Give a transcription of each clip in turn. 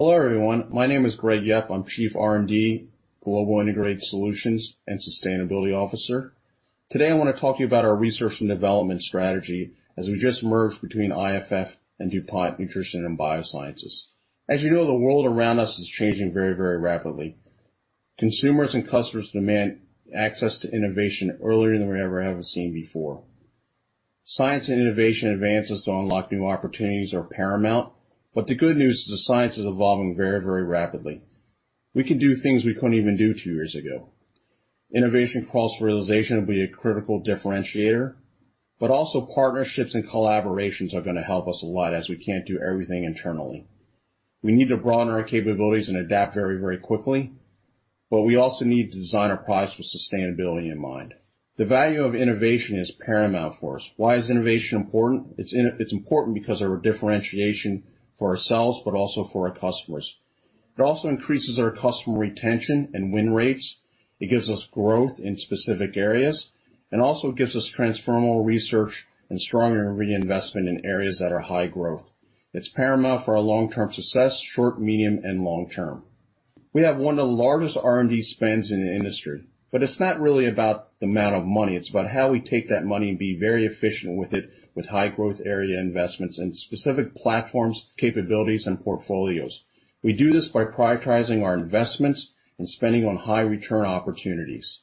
Hello everyone, my name is Gregory Yep, I'm Chief R&D, Global Integrated Solutions and Sustainability Officer. Today I want to talk to you about our research and development strategy as we just merged between IFF and DuPont Nutrition & Biosciences. As you know, the world around us is changing very, very rapidly. Consumers and customers demand access to innovation earlier than we ever have seen before. Science and innovation advances to unlock new opportunities are paramount, but the good news is the science is evolving very, very rapidly. We can do things we couldn't even do two years ago. Innovation cross-fertilization will be a critical differentiator, but also partnerships and collaborations are going to help us a lot as we can't do everything internally. We need to broaden our capabilities and adapt very, very quickly, but we also need to design our products with sustainability in mind. The value of innovation is paramount for us. Why is innovation important? It's important because of our differentiation for ourselves, but also for our customers. It also increases our customer retention and win rates. It gives us growth in specific areas and also gives us transformable research and stronger reinvestment in areas that are high growth. It's paramount for our long-term success, short, medium, and long term. We have one of the largest R&D spends in the industry, but it's not really about the amount of money. It's about how we take that money and be very efficient with it, with high growth area investments and specific platforms, capabilities, and portfolios. We do this by prioritizing our investments and spending on high return opportunities.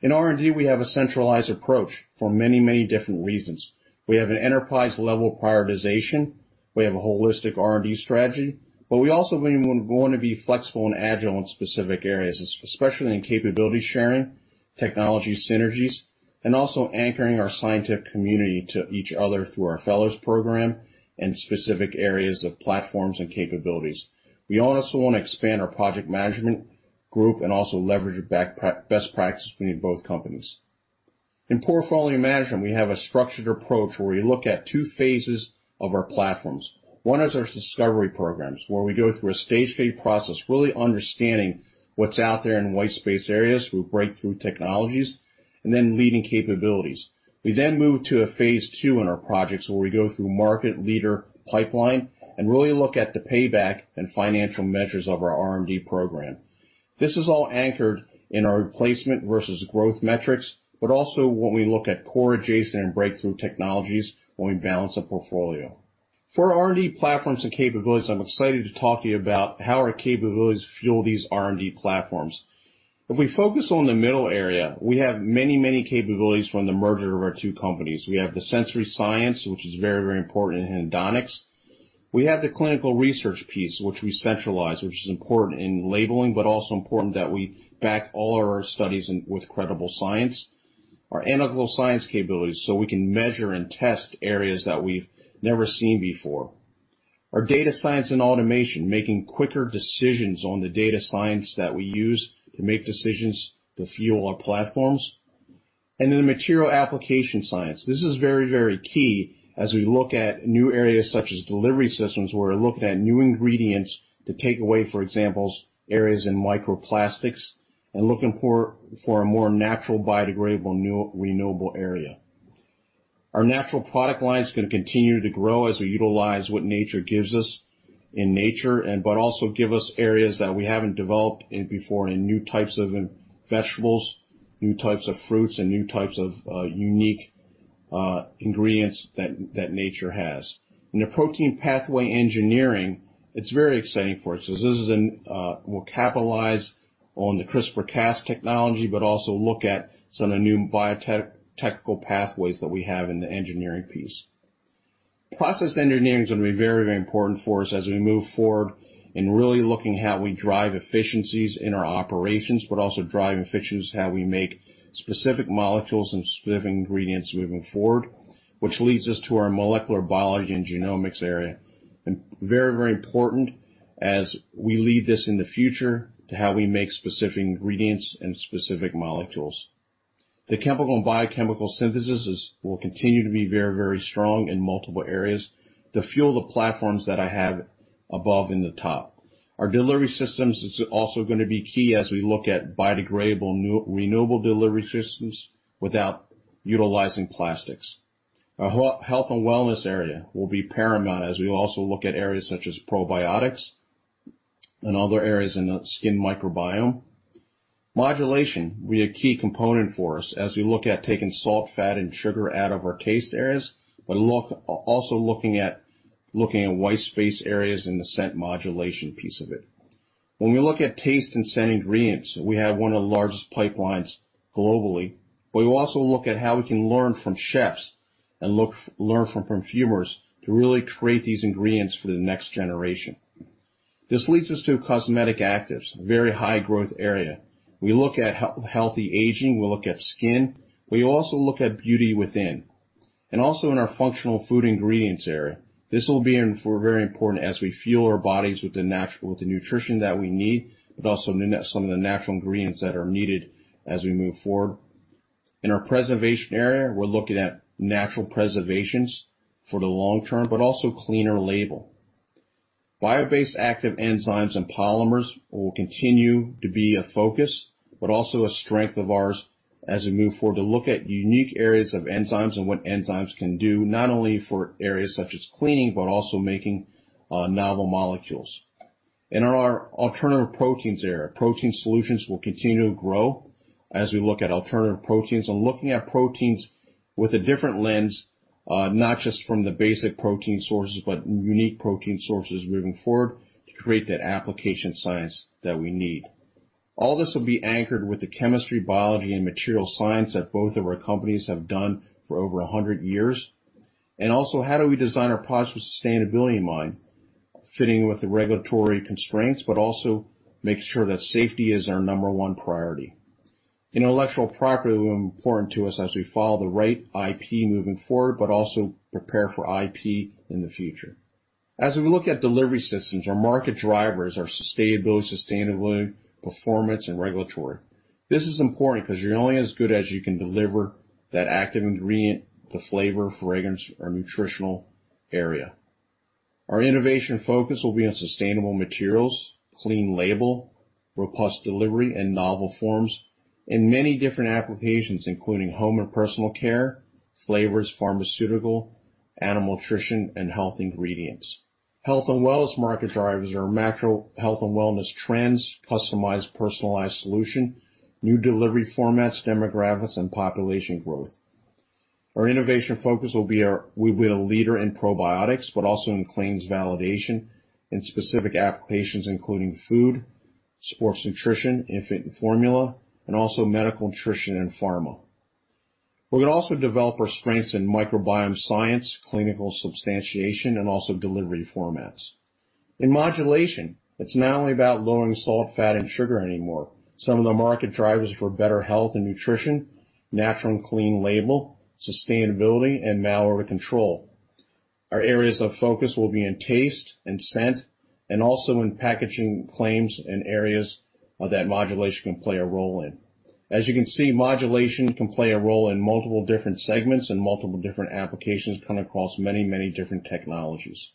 In R&D, we have a centralized approach for many, many different reasons. We have an enterprise-level prioritization. We have a holistic R&D strategy, but we also want to be flexible and agile in specific areas, especially in capability sharing, technology synergies, and also anchoring our scientific community to each other through our Fellows program and specific areas of platforms and capabilities. We also want to expand our project management group and also leverage best practices between both companies. In portfolio management, we have a structured approach where we look at two phases of our platforms. One is our discovery programs, where we go through a stage K process, really understanding what's out there in white space areas through breakthrough technologies and then leading capabilities. We then move to a phase two in our projects where we go through market leader pipeline and really look at the payback and financial measures of our R&D program. This is all anchored in our placement versus growth metrics, but also when we look at core, adjacent, and breakthrough technologies when we balance a portfolio. For R&D platforms and capabilities, I'm excited to talk to you about how our capabilities fuel these R&D platforms. If we focus on the middle area, we have many capabilities from the merger of our two companies. We have the sensory science, which is very important in hedonics. We have the clinical research piece, which we centralize, which is important in labeling, but also important that we back all our studies with credible science. Our anecdotal science capabilities, so we can measure and test areas that we've never seen before. Our data science and automation, making quicker decisions on the data science that we use to make decisions to fuel our platforms. Then the material application science. This is very, very key as we look at new areas such as delivery systems where we're looking at new ingredients to take away, for example, areas in microplastics and looking for a more natural, biodegradable, renewable area. Our natural product line is going to continue to grow as we utilize what nature gives us in nature, but also give us areas that we haven't developed before in new types of vegetables, new types of fruits, and new types of unique ingredients that nature has. In the protein pathway engineering, it's very exciting for us because this is we'll capitalize on the CRISPR-Cas technology, but also look at some of the new biotechnical pathways that we have in the engineering piece. Process engineering is going to be very, very important for us as we move forward in really looking at how we drive efficiencies in our operations, but also driving efficiencies how we make specific molecules and specific ingredients moving forward, which leads us to our molecular biology and genomics area. Very, very important as we lead this in the future to how we make specific ingredients and specific molecules. The chemical and biochemical synthesis will continue to be very, very strong in multiple areas to fuel the platforms that I have above in the top. Our delivery systems are also going to be key as we look at biodegradable renewable delivery systems without utilizing plastics. Our health and wellness area will be paramount as we also look at areas such as probiotics and other areas in the skin microbiome. Modulation will be a key component for us as we look at taking salt, fat, and sugar out of our taste areas, but also looking at white space areas in the scent modulation piece of it. When we look at taste and scent ingredients, we have one of the largest pipelines globally, but we also look at how we can learn from chefs and learn from consumers to really create these ingredients for the next generation. This leads us to cosmetic actives, a very high growth area. We look at healthy aging. We look at skin. We also look at beauty within. Also in our functional food ingredients area, this will be very important as we fuel our bodies with the nutrition that we need, but also some of the natural ingredients that are needed as we move forward. In our preservation area, we're looking at natural preservations for the long term, but also cleaner label. Bio-based active enzymes and polymers will continue to be a focus, but also a strength of ours as we move forward to look at unique areas of enzymes and what enzymes can do not only for areas such as cleaning, but also making novel molecules. In our alternative proteins area, protein solutions will continue to grow as we look at alternative proteins and looking at proteins with a different lens, not just from the basic protein sources, but unique protein sources moving forward to create that application science that we need. All this will be anchored with the chemistry, biology, and material science that both of our companies have done for over 100 years. How do we design our products with sustainability in mind, fitting with the regulatory constraints, but also make sure that safety is our number one priority. Intellectual property will be important to us as we follow the right IP moving forward, but also prepare for IP in the future. As we look at delivery systems, our market drivers are sustainability, sustainability, performance, and regulatory. This is important because you're only as good as you can deliver that active ingredient, the flavor, fragrance, or nutritional area. Our innovation focus will be on sustainable materials, clean label, robust delivery, and novel forms in many different applications, including home and personal care, flavors, pharmaceutical, animal nutrition, and health ingredients. Health and wellness market drivers are macro health and wellness trends, customized, personalized solutions, new delivery formats, demographics, and population growth. Our innovation focus will be a leader in probiotics, but also in claims validation and specific applications, including food, sports nutrition, infant formula, and also medical nutrition and pharma. We're going to also develop our strengths in microbiome science, clinical substantiation, and also delivery formats. In modulation, it's not only about lowering salt, fat, and sugar anymore. Some of the market drivers for better health and nutrition, natural and clean label, sustainability, and malware control. Our areas of focus will be in taste and scent, and also in packaging claims and areas that modulation can play a role in. As you can see, modulation can play a role in multiple different segments and multiple different applications coming across many, many different technologies.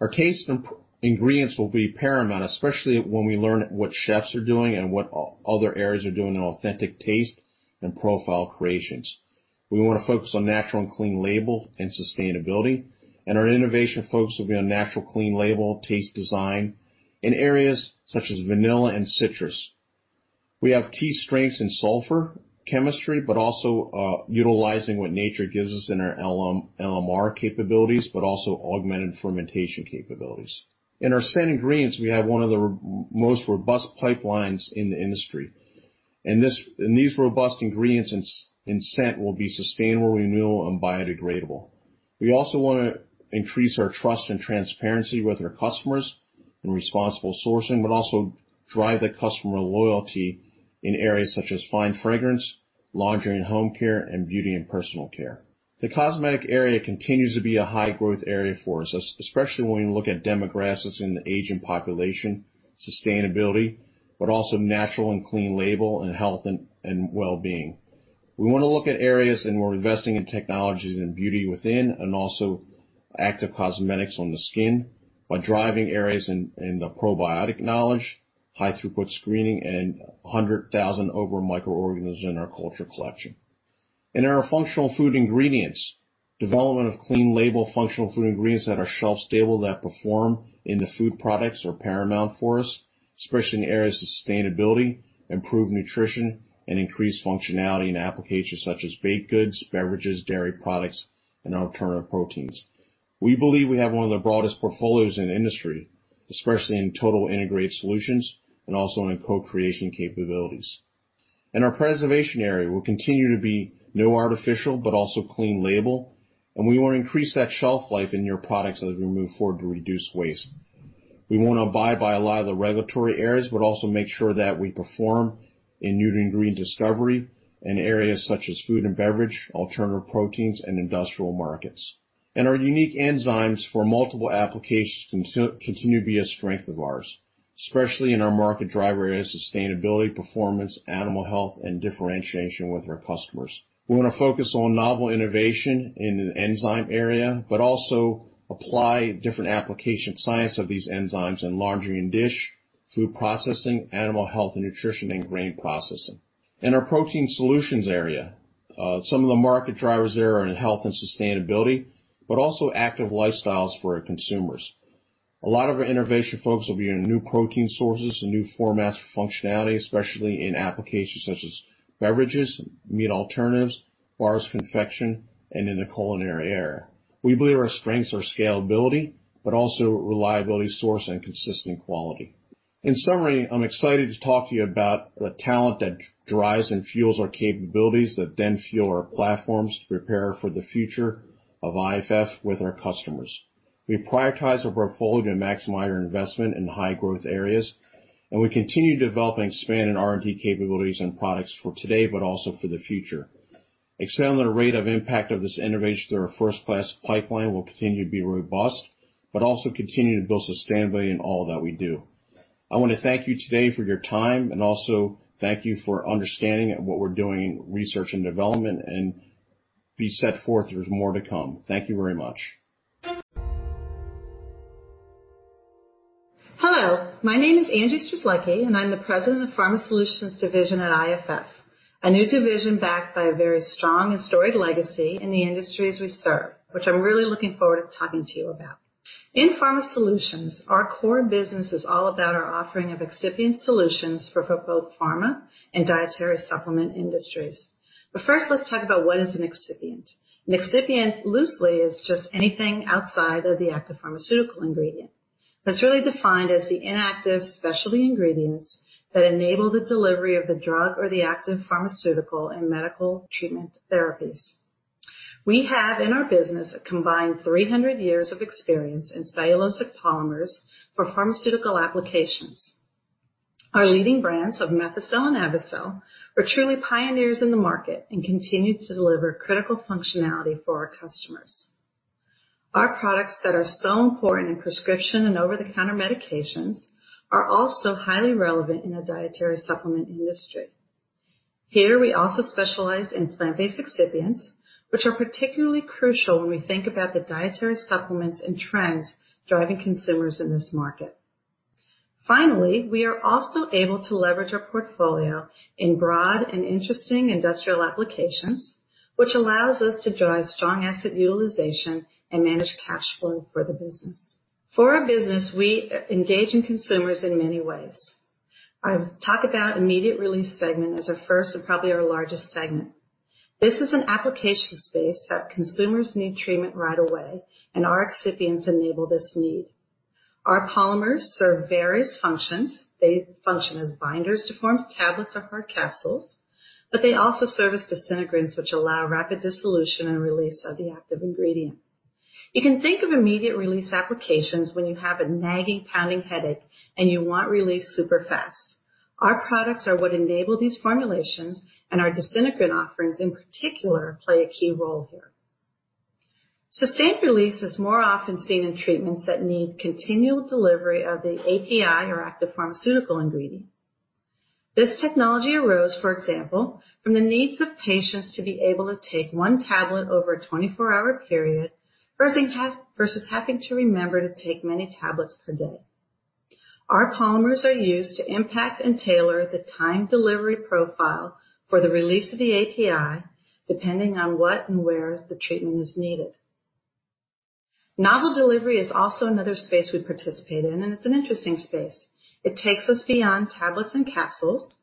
Our taste and ingredients will be paramount, especially when we learn what chefs are doing and what other areas are doing in authentic taste and profile creations. We want to focus on natural and clean label and sustainability. Our innovation focus will be on natural clean label, taste design, and areas such as vanilla and citrus. We have key strengths in sulfur chemistry, but also utilizing what nature gives us in our LMR capabilities, but also augmented fermentation capabilities. In our scent ingredients, we have one of the most robust pipelines in the industry. These robust ingredients in scent will be sustainable, renewable, and biodegradable. We also want to increase our trust and transparency with our customers and responsible sourcing, but also drive the customer loyalty in areas such as fine fragrance, laundry and home care, and beauty and personal care. The cosmetic area continues to be a high growth area for us, especially when we look at demographics in the aging population, sustainability, but also natural and clean label and health and well-being. We want to look at areas and we're investing in technologies and beauty within and also active cosmetics on the skin by driving areas in the probiotic knowledge, high throughput screening, and 100,000 over microorganisms in our culture collection. In our functional food ingredients, development of clean label functional food ingredients that are shelf stable that perform in the food products are paramount for us, especially in areas of sustainability, improved nutrition, and increased functionality in applications such as baked goods, beverages, dairy products, and alternative proteins. We believe we have one of the broadest portfolios in the industry, especially in total integrated solutions and also in co-creation capabilities. In our preservation area, we'll continue to be no artificial, but also clean label, and we want to increase that shelf life in your products as we move forward to reduce waste. We want to abide by a lot of the regulatory areas, but also make sure that we perform in nutrition and grain discovery in areas such as food and beverage, alternative proteins, and industrial markets. Our unique enzymes for multiple applications continue to be a strength of ours, especially in our market driver areas, sustainability, performance, animal health, and differentiation with our customers. We want to focus on novel innovation in the enzyme area, but also apply different application science of these enzymes in laundry and dish, food processing, animal health, and nutrition and grain processing. In our protein solutions area, some of the market drivers there are in health and sustainability, but also active lifestyles for our consumers. A lot of our innovation focus will be on new protein sources and new formats for functionality, especially in applications such as beverages, meat alternatives, bars, confection, and in the culinary area. We believe our strengths are scalability, but also reliability, source, and consistent quality. In summary, I'm excited to talk to you about the talent that drives and fuels our capabilities that then fuel our platforms to prepare for the future of IFF with our customers. We prioritize our portfolio to maximize our investment in high growth areas, and we continue to develop and expand in R&D capabilities and products for today, but also for the future. Expand the rate of impact of this innovation through our first-class pipeline will continue to be robust, but also continue to build sustainability in all that we do. I want to thank you today for your time and also thank you for understanding what we're doing in research and development and be set forth. There's more to come. Thank you very much. Hello. My name is Angela Strzelecki, and I'm the President of Pharma Solutions Division at IFF, a new division backed by a very strong and storied legacy in the industry as we serve, which I'm really looking forward to talking to you about. In Pharma Solutions, our core business is all about our offering of excipient solutions for both pharma and dietary supplement industries. First, let's talk about what is an excipient. An excipient loosely is just anything outside of the active pharmaceutical ingredient. It's really defined as the inactive specialty ingredients that enable the delivery of the drug or the active pharmaceutical and medical treatment therapies. We have in our business a combined 300 years of experience in cellulosic polymers for pharmaceutical applications. Our leading brands of Methocel and Avicel are truly pioneers in the market and continue to deliver critical functionality for our customers. Our products that are so important in prescription and over-the-counter medications are also highly relevant in the dietary supplement industry. Here, we also specialize in plant-based excipients, which are particularly crucial when we think about the dietary supplements and trends driving consumers in this market. Finally, we are also able to leverage our portfolio in broad and interesting industrial applications, which allows us to drive strong asset utilization and manage cash flow for the business. For our business, we engage in consumers in many ways. I'll talk about the immediate release segment as our first and probably our largest segment. This is an application space that consumers need treatment right away, and our excipients enable this need. Our polymers serve various functions. They function as binders to form tablets or hard capsules, but they also serve as disintegrants, which allow rapid dissolution and release of the active ingredient. You can think of immediate release applications when you have a nagging, pounding headache and you want relief super fast. Our products are what enable these formulations, and our disintegrant offerings in particular play a key role here. Sustained release is more often seen in treatments that need continual delivery of the API or active pharmaceutical ingredient. This technology arose, for example, from the needs of patients to be able to take one tablet over a 24-hour period versus having to remember to take many tablets per day. Our polymers are used to impact and tailor the time delivery profile for the release of the API, depending on what and where the treatment is needed. Novel delivery is also another space we participate in, and it's an interesting space. It takes us beyond tablets and capsules.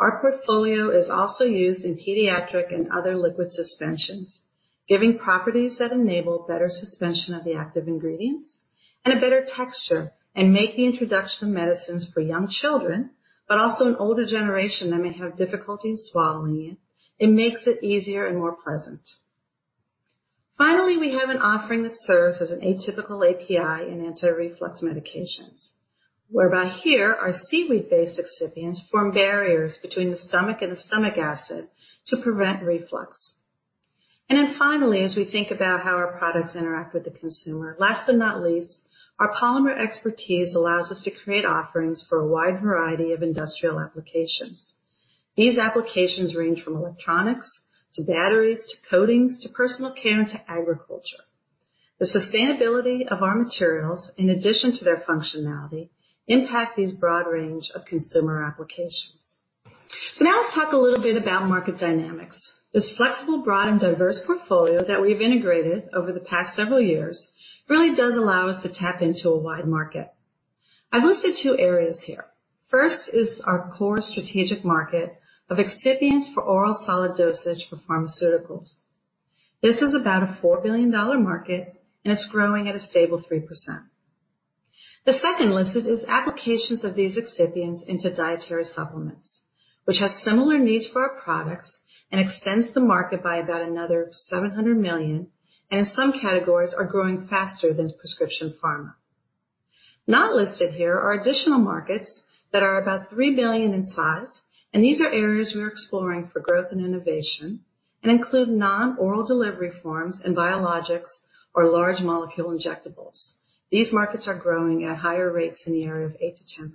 Our portfolio is also used in pediatric and other liquid suspensions, giving properties that enable better suspension of the active ingredients and a better texture and make the introduction of medicines for young children, but also an older generation that may have difficulty swallowing it. It makes it easier and more pleasant. Finally, we have an offering that serves as an atypical API in anti-reflux medications, whereby here our seaweed-based excipients form barriers between the stomach and the stomach acid to prevent reflux. Finally, as we think about how our products interact with the consumer, last but not least, our polymer expertise allows us to create offerings for a wide variety of industrial applications. These applications range from electronics to batteries to coatings to personal care to agriculture. The sustainability of our materials, in addition to their functionality, impacts this broad range of consumer applications. Now let's talk a little bit about market dynamics. This flexible, broad, and diverse portfolio that we've integrated over the past several years really does allow us to tap into a wide market. I've listed two areas here. First is our core strategic market of excipients for oral solid dosage for pharmaceuticals. This is about a $4 billion market, and it's growing at a stable 3%. The second listed is applications of these excipients into dietary supplements, which have similar needs for our products and extends the market by about another $700 million, and in some categories are growing faster than prescription pharma. Not listed here are additional markets that are about $3 billion in size, and these are areas we're exploring for growth and innovation and include non-oral delivery forms and biologics or large molecule injectables. These markets are growing at higher rates in the area of 8-10%.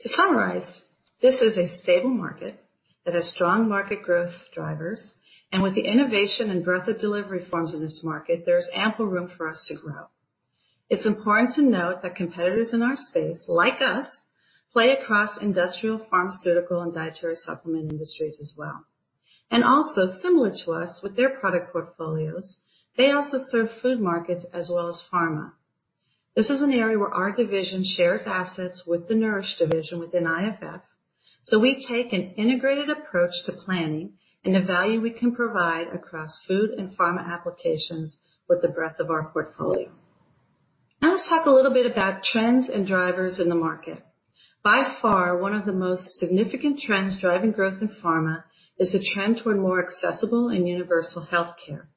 To summarize, this is a stable market that has strong market growth drivers, and with the innovation and breadth of delivery forms in this market, there is ample room for us to grow. It's important to note that competitors in our space, like us, play across industrial, pharmaceutical, and dietary supplement industries as well. Also, similar to us with their product portfolios, they also serve food markets as well as pharma. This is an area where our division shares assets with the Nourish division within IFF, so we take an integrated approach to planning and the value we can provide across food and pharma applications with the breadth of our portfolio. Now let's talk a little bit about trends and drivers in the market. By far, one of the most significant trends driving growth in pharma is the trend toward more accessible and universal healthcare.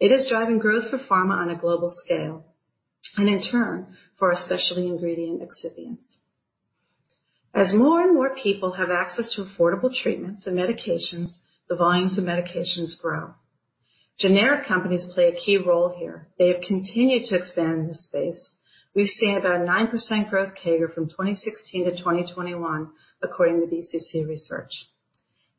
It is driving growth for pharma on a global scale, and in turn, for our specialty ingredient excipients. As more and more people have access to affordable treatments and medications, the volumes of medications grow. Generic companies play a key role here. They have continued to expand in this space. We've seen about a 9% growth CAGR from 2016 to 2021, according to BCC Research.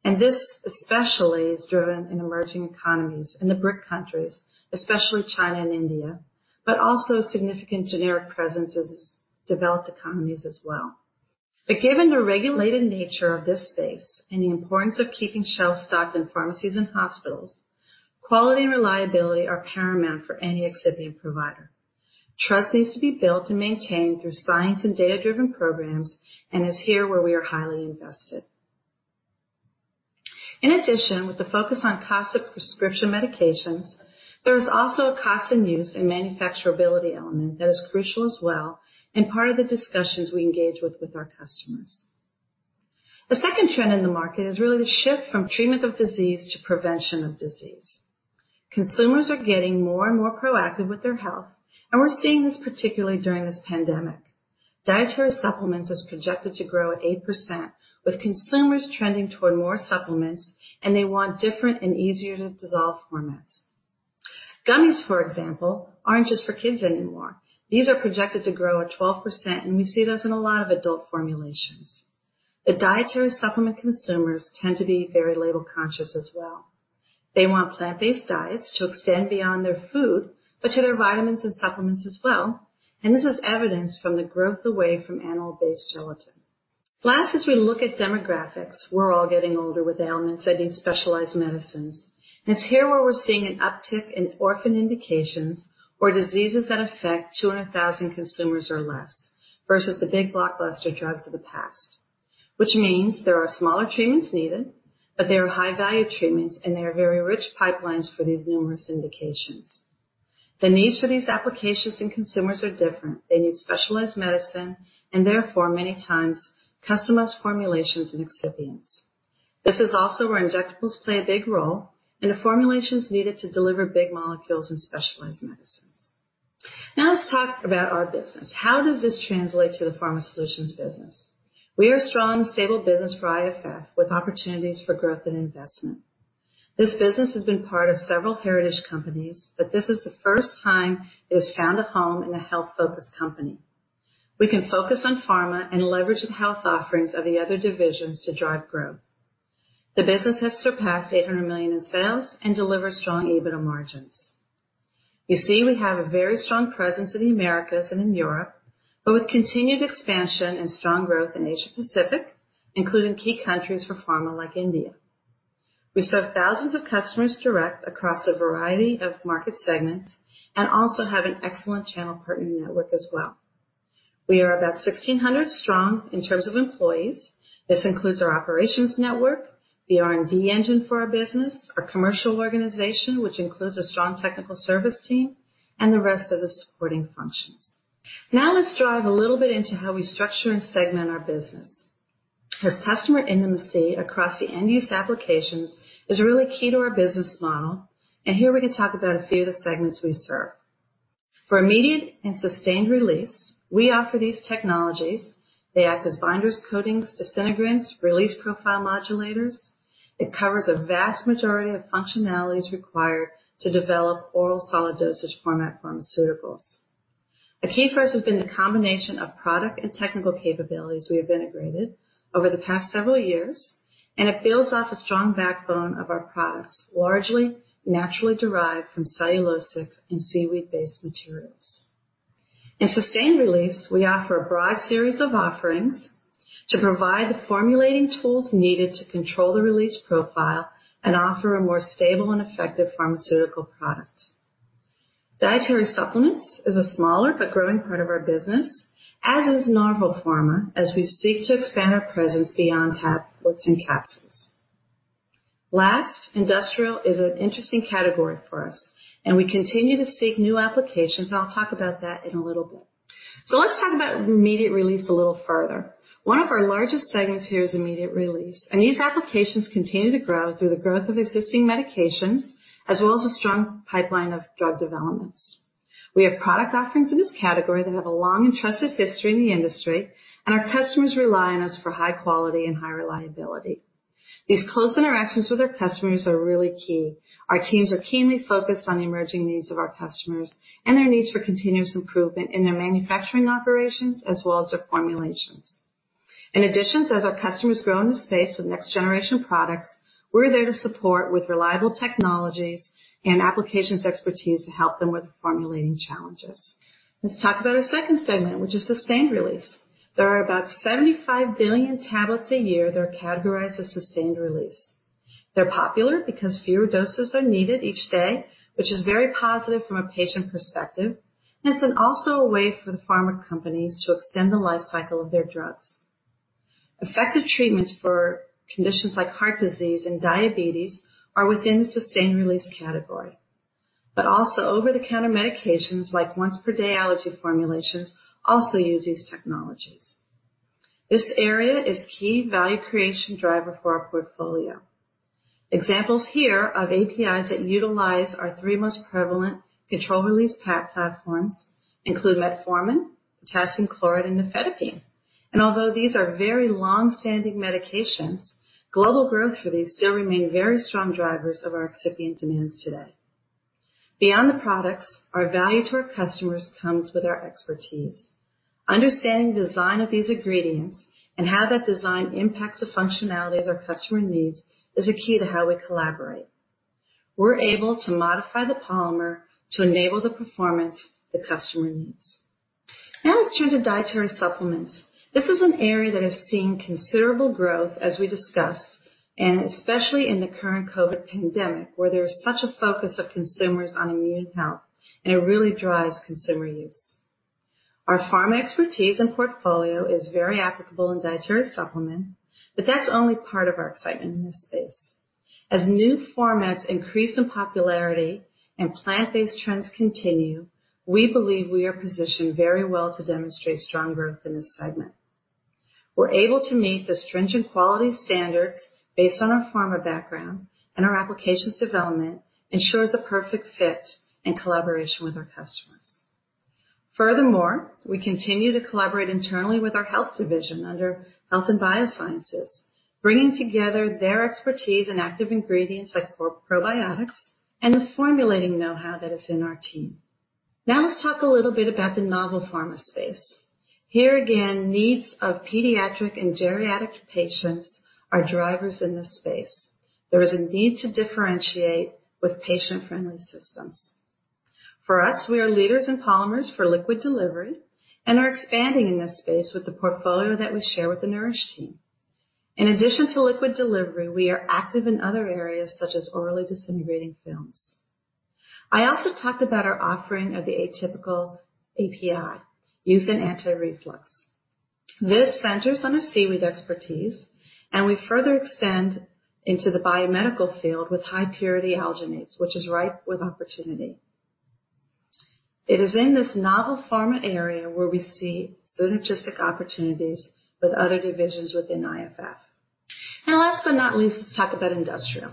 This especially is driven in emerging economies and the BRIC countries, especially China and India, but also a significant generic presence in developed economies as well. Given the regulated nature of this space and the importance of keeping shelf stock in pharmacies and hospitals, quality and reliability are paramount for any excipient provider. Trust needs to be built and maintained through science and data-driven programs, and it's here where we are highly invested. In addition, with the focus on cost of prescription medications, there is also a cost and use and manufacturability element that is crucial as well and part of the discussions we engage with with our customers. The second trend in the market is really the shift from treatment of disease to prevention of disease. Consumers are getting more and more proactive with their health, and we're seeing this particularly during this pandemic. Dietary supplements are projected to grow at 8%, with consumers trending toward more supplements, and they want different and easier to dissolve formats. Gummies, for example, aren't just for kids anymore. These are projected to grow at 12%, and we see those in a lot of adult formulations. The dietary supplement consumers tend to be very label conscious as well. They want plant-based diets to extend beyond their food, but to their vitamins and supplements as well, and this is evidenced from the growth away from animal-based gelatin. Last, as we look at demographics, we're all getting older with ailments that need specialized medicines. It's here where we're seeing an uptick in orphan indications or diseases that affect 200,000 consumers or less versus the big blockbuster drugs of the past, which means there are smaller treatments needed, but they are high-value treatments, and there are very rich pipelines for these numerous indications. The needs for these applications and consumers are different. They need specialized medicine, and therefore, many times, customized formulations and excipients. This is also where injectables play a big role and the formulations needed to deliver big molecules and specialized medicines. Now let's talk about our business. How does this translate to the Pharma Solutions business? We are a strong, stable business for IFF with opportunities for growth and investment. This business has been part of several heritage companies, but this is the first time it has found a home in a health-focused company. We can focus on pharma and leverage the health offerings of the other divisions to drive growth. The business has surpassed $800 million in sales and delivers strong EBITDA margins. You see, we have a very strong presence in the Americas and in Europe, but with continued expansion and strong growth in Asia-Pacific, including key countries for pharma like India. We serve thousands of customers direct across a variety of market segments and also have an excellent channel partner network as well. We are about 1,600 strong in terms of employees. This includes our operations network, the R&D engine for our business, our commercial organization, which includes a strong technical service team, and the rest of the supporting functions. Now let's drive a little bit into how we structure and segment our business. As customer intimacy across the end-use applications is really key to our business model, and here we can talk about a few of the segments we serve. For immediate and sustained release, we offer these technologies. They act as binders, coatings, disintegrants, release profile modulators. It covers a vast majority of functionalities required to develop oral solid dosage format pharmaceuticals. A key for us has been the combination of product and technical capabilities we have integrated over the past several years, and it builds off a strong backbone of our products, largely naturally derived from cellulosic and seaweed-based materials. In sustained release, we offer a broad series of offerings to provide the formulating tools needed to control the release profile and offer a more stable and effective pharmaceutical product. Dietary supplements is a smaller but growing part of our business, as is novel pharma, as we seek to expand our presence beyond tablets and capsules. Last, industrial is an interesting category for us, and we continue to seek new applications, and I'll talk about that in a little bit. Let's talk about immediate release a little further. One of our largest segments here is immediate release, and these applications continue to grow through the growth of existing medications as well as a strong pipeline of drug developments. We have product offerings in this category that have a long and trusted history in the industry, and our customers rely on us for high quality and high reliability. These close interactions with our customers are really key. Our teams are keenly focused on the emerging needs of our customers and their needs for continuous improvement in their manufacturing operations as well as their formulations. In addition, as our customers grow in this space with next-generation products, we're there to support with reliable technologies and applications expertise to help them with formulating challenges. Let's talk about our second segment, which is sustained release. There are about 75 billion tablets a year that are categorized as sustained release. They're popular because fewer doses are needed each day, which is very positive from a patient perspective, and it's also a way for the pharma companies to extend the life cycle of their drugs. Effective treatments for conditions like heart disease and diabetes are within the sustained release category, but also over-the-counter medications like once-per-day allergy formulations also use these technologies. This area is a key value creation driver for our portfolio. Examples here of APIs that utilize our three most prevalent control-release platforms include metformin, potassium chloride, and nifedipine. Although these are very long-standing medications, global growth for these still remains very strong drivers of our excipient demands today. Beyond the products, our value to our customers comes with our expertise. Understanding the design of these ingredients and how that design impacts the functionalities our customer needs is a key to how we collaborate. We're able to modify the polymer to enable the performance the customer needs. Now let's turn to dietary supplements. This is an area that has seen considerable growth, as we discussed, especially in the current COVID pandemic, where there is such a focus of consumers on immune health, and it really drives consumer use. Our pharma expertise and portfolio is very applicable in dietary supplements, but that's only part of our excitement in this space. As new formats increase in popularity and plant-based trends continue, we believe we are positioned very well to demonstrate strong growth in this segment. We're able to meet the stringent quality standards based on our pharma background, and our applications development ensures a perfect fit and collaboration with our customers. Furthermore, we continue to collaborate internally with our health division under Health & Biosciences, bringing together their expertise in active ingredients like probiotics and the formulating know-how that is in our team. Now let's talk a little bit about the novel pharma space. Here again, needs of pediatric and geriatric patients are drivers in this space. There is a need to differentiate with patient-friendly systems. For us, we are leaders in polymers for liquid delivery and are expanding in this space with the portfolio that we share with the Nourish team. In addition to liquid delivery, we are active in other areas such as orally disintegrating films. I also talked about our offering of the atypical API, use in anti-reflux. This centers on our seaweed expertise, and we further extend into the biomedical field with high-purity alginates, which is ripe with opportunity. It is in this novel pharma area where we see synergistic opportunities with other divisions within IFF. Last but not least, let's talk about industrial.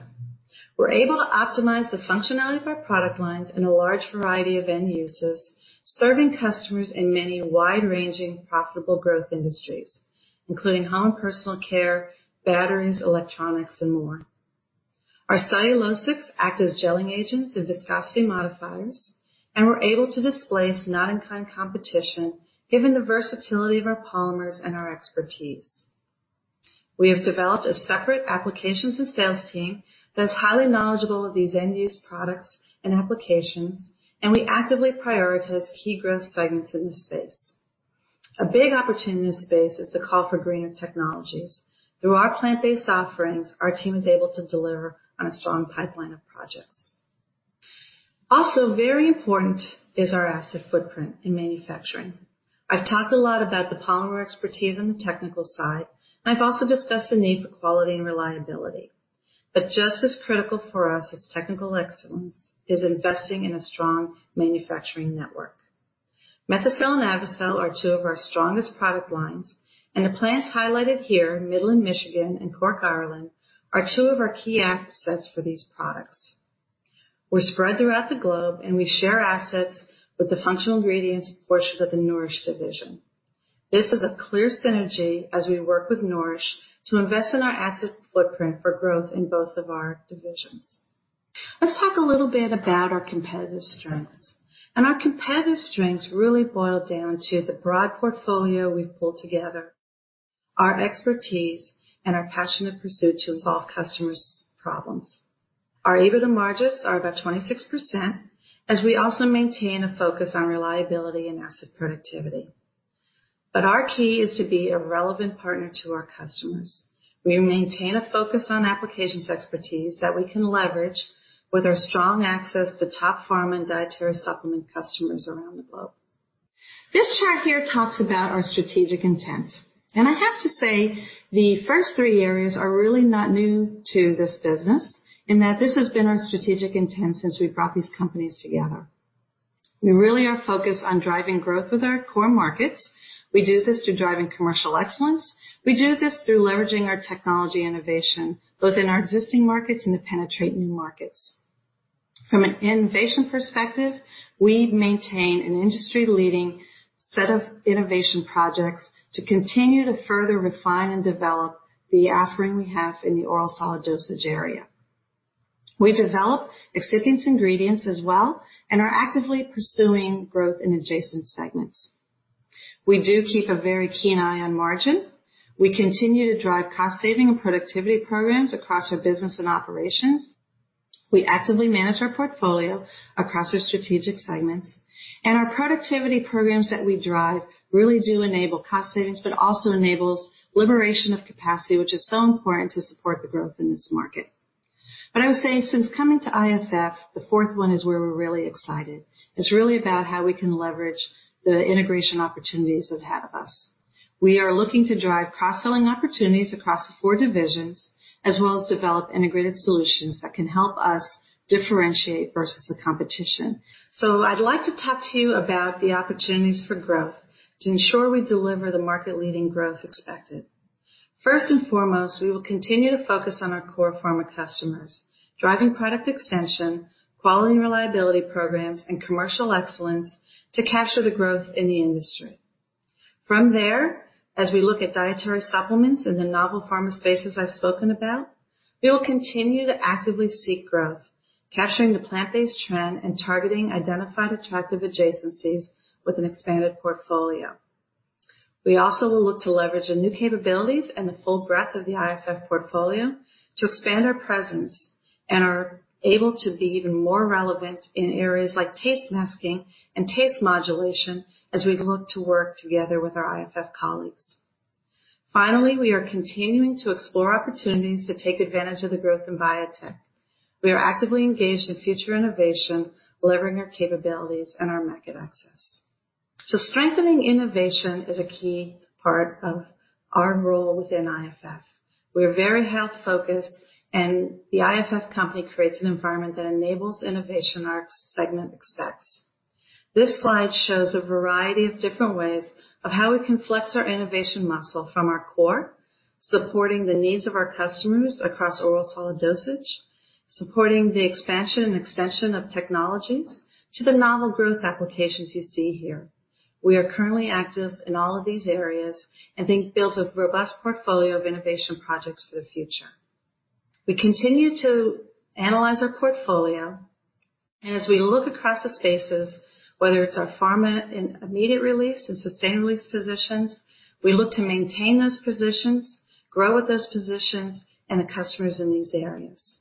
We're able to optimize the functionality of our product lines in a large variety of end uses, serving customers in many wide-ranging profitable growth industries, including home and personal care, batteries, electronics, and more. Our cellulosics act as gelling agents and viscosity modifiers, and we're able to displace not-in-kind competition given the versatility of our polymers and our expertise. We have developed a separate applications and sales team that is highly knowledgeable of these end-use products and applications, and we actively prioritize key growth segments in this space. A big opportunity in this space is the call for greener technologies. Through our plant-based offerings, our team is able to deliver on a strong pipeline of projects. Also, very important is our asset footprint in manufacturing. I've talked a lot about the polymer expertise on the technical side, and I've also discussed the need for quality and reliability. Just as critical for us as technical excellence is investing in a strong manufacturing network. Methocel and Avicel are two of our strongest product lines, and the plants highlighted here, Midland in Michigan and Cork, Ireland, are two of our key assets for these products. We're spread throughout the globe, and we share assets with the functional ingredients portion of the Nourish division. This is a clear synergy as we work with Nourish to invest in our asset footprint for growth in both of our divisions. Let's talk a little bit about our competitive strengths. Our competitive strengths really boil down to the broad portfolio we've pulled together, our expertise, and our passionate pursuit to resolve customers' problems. Our EBITDA margins are about 26%, as we also maintain a focus on reliability and asset productivity. Our key is to be a relevant partner to our customers. We maintain a focus on applications expertise that we can leverage with our strong access to top pharma and dietary supplement customers around the globe. This chart here talks about our strategic intent. I have to say the first three areas are really not new to this business in that this has been our strategic intent since we brought these companies together. We really are focused on driving growth with our core markets. We do this through driving commercial excellence. We do this through leveraging our technology innovation both in our existing markets and to penetrate new markets. From an innovation perspective, we maintain an industry-leading set of innovation projects to continue to further refine and develop the offering we have in the oral solid dosage area. We develop excipients ingredients as well and are actively pursuing growth in adjacent segments. We do keep a very keen eye on margin. We continue to drive cost-saving and productivity programs across our business and operations. We actively manage our portfolio across our strategic segments. Our productivity programs that we drive really do enable cost savings, but also enable liberation of capacity, which is so important to support the growth in this market. I would say since coming to IFF, the fourth one is where we're really excited. It's really about how we can leverage the integration opportunities that have us. We are looking to drive cross-selling opportunities across the four divisions as well as develop integrated solutions that can help us differentiate versus the competition. I would like to talk to you about the opportunities for growth to ensure we deliver the market-leading growth expected. First and foremost, we will continue to focus on our core pharma customers, driving product extension, quality and reliability programs, and commercial excellence to capture the growth in the industry. From there, as we look at dietary supplements in the novel pharma spaces I've spoken about, we will continue to actively seek growth, capturing the plant-based trend and targeting identified attractive adjacencies with an expanded portfolio. We also will look to leverage the new capabilities and the full breadth of the IFF portfolio to expand our presence and are able to be even more relevant in areas like taste masking and taste modulation as we look to work together with our IFF colleagues. Finally, we are continuing to explore opportunities to take advantage of the growth in biotech. We are actively engaged in future innovation, leveraging our capabilities and our market access. Strengthening innovation is a key part of our role within IFF. We are very health-focused, and the IFF company creates an environment that enables innovation our segment expects. This slide shows a variety of different ways of how we can flex our innovation muscle from our core, supporting the needs of our customers across oral solid dosage, supporting the expansion and extension of technologies to the novel growth applications you see here. We are currently active in all of these areas and build a robust portfolio of innovation projects for the future. We continue to analyze our portfolio, and as we look across the spaces, whether it's our pharma and immediate release and sustained release positions, we look to maintain those positions, grow with those positions, and the customers in these areas.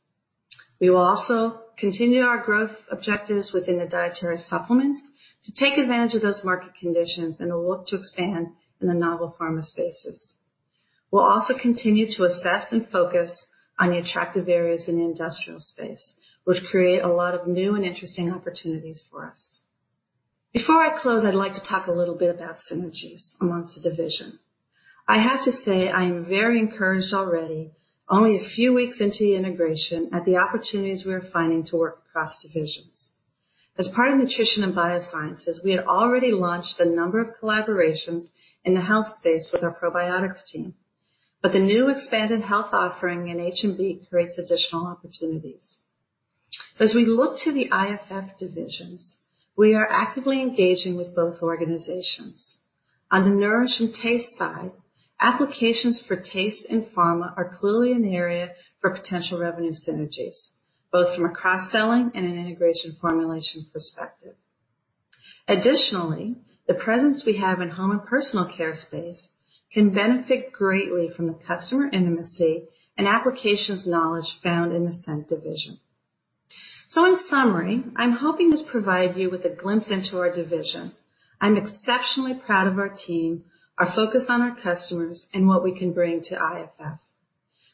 We will also continue our growth objectives within the dietary supplements to take advantage of those market conditions and look to expand in the novel pharma spaces. We will also continue to assess and focus on the attractive areas in the industrial space, which create a lot of new and interesting opportunities for us. Before I close, I would like to talk a little bit about synergies amongst the division. I have to say I am very encouraged already, only a few weeks into the integration, at the opportunities we are finding to work across divisions. As part of Nutrition & Biosciences, we had already launched a number of collaborations in the health space with our probiotics team, but the new expanded health offering in H&B creates additional opportunities. As we look to the IFF divisions, we are actively engaging with both organizations. On the nourish and taste side, applications for taste and pharma are clearly an area for potential revenue synergies, both from a cross-selling and an integration formulation perspective. Additionally, the presence we have in home and personal care space can benefit greatly from the customer intimacy and applications knowledge found in the scent division. In summary, I'm hoping this provided you with a glimpse into our division. I'm exceptionally proud of our team, our focus on our customers, and what we can bring to IFF.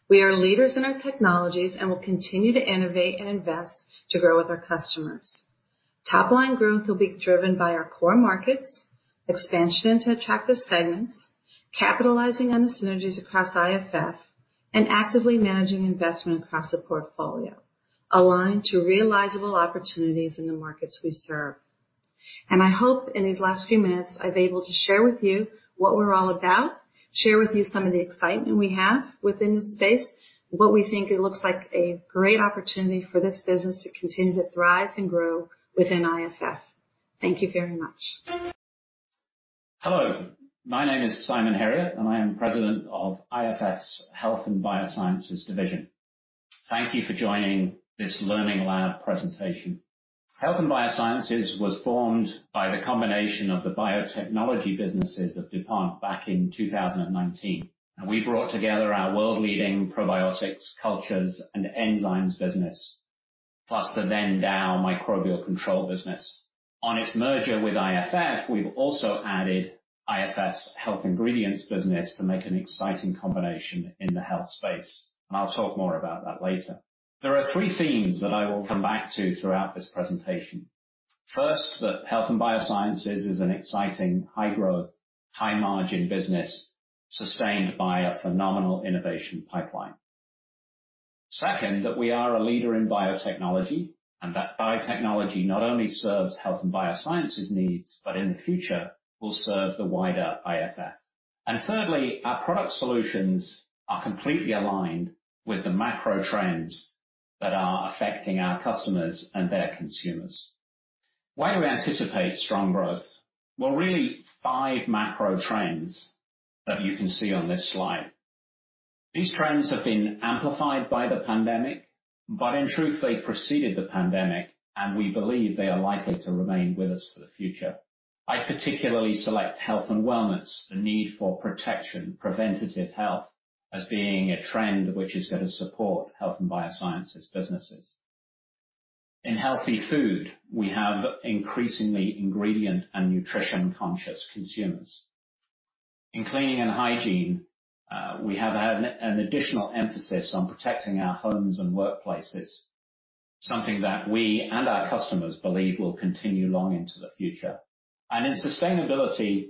We are leaders in our technologies and will continue to innovate and invest to grow with our customers. Top-line growth will be driven by our core markets, expansion into attractive segments, capitalizing on the synergies across IFF, and actively managing investment across the portfolio, aligned to realizable opportunities in the markets we serve. I hope in these last few minutes I've been able to share with you what we're all about, share with you some of the excitement we have within this space, what we think looks like a great opportunity for this business to continue to thrive and grow within IFF. Thank you very much. Hello. My name is Simon Herriott, and I am President of IFF's Health and Biosciences Division. Thank you for joining this Learning Lab presentation. Health and Biosciences was formed by the combination of the biotechnology businesses of DuPont back in 2019, and we brought together our world-leading probiotics, cultures, and enzymes business, plus the then-DAO microbial control business. On its merger with IFF, we've also added IFF's health ingredients business to make an exciting combination in the health space. I'll talk more about that later. There are three themes that I will come back to throughout this presentation. First, that health and biosciences is an exciting high-growth, high-margin business sustained by a phenomenal innovation pipeline. Second, that we are a leader in biotechnology and that biotechnology not only serves health and biosciences needs, but in the future will serve the wider IFF. Thirdly, our product solutions are completely aligned with the macro trends that are affecting our customers and their consumers. Why do we anticipate strong growth? Really, five macro trends that you can see on this slide. These trends have been amplified by the pandemic, but in truth, they preceded the pandemic, and we believe they are likely to remain with us for the future. I particularly select health and wellness, the need for protection, preventative health, as being a trend which is going to support health and biosciences businesses. In healthy food, we have increasingly ingredient and nutrition-conscious consumers. In cleaning and hygiene, we have an additional emphasis on protecting our homes and workplaces, something that we and our customers believe will continue long into the future. In sustainability,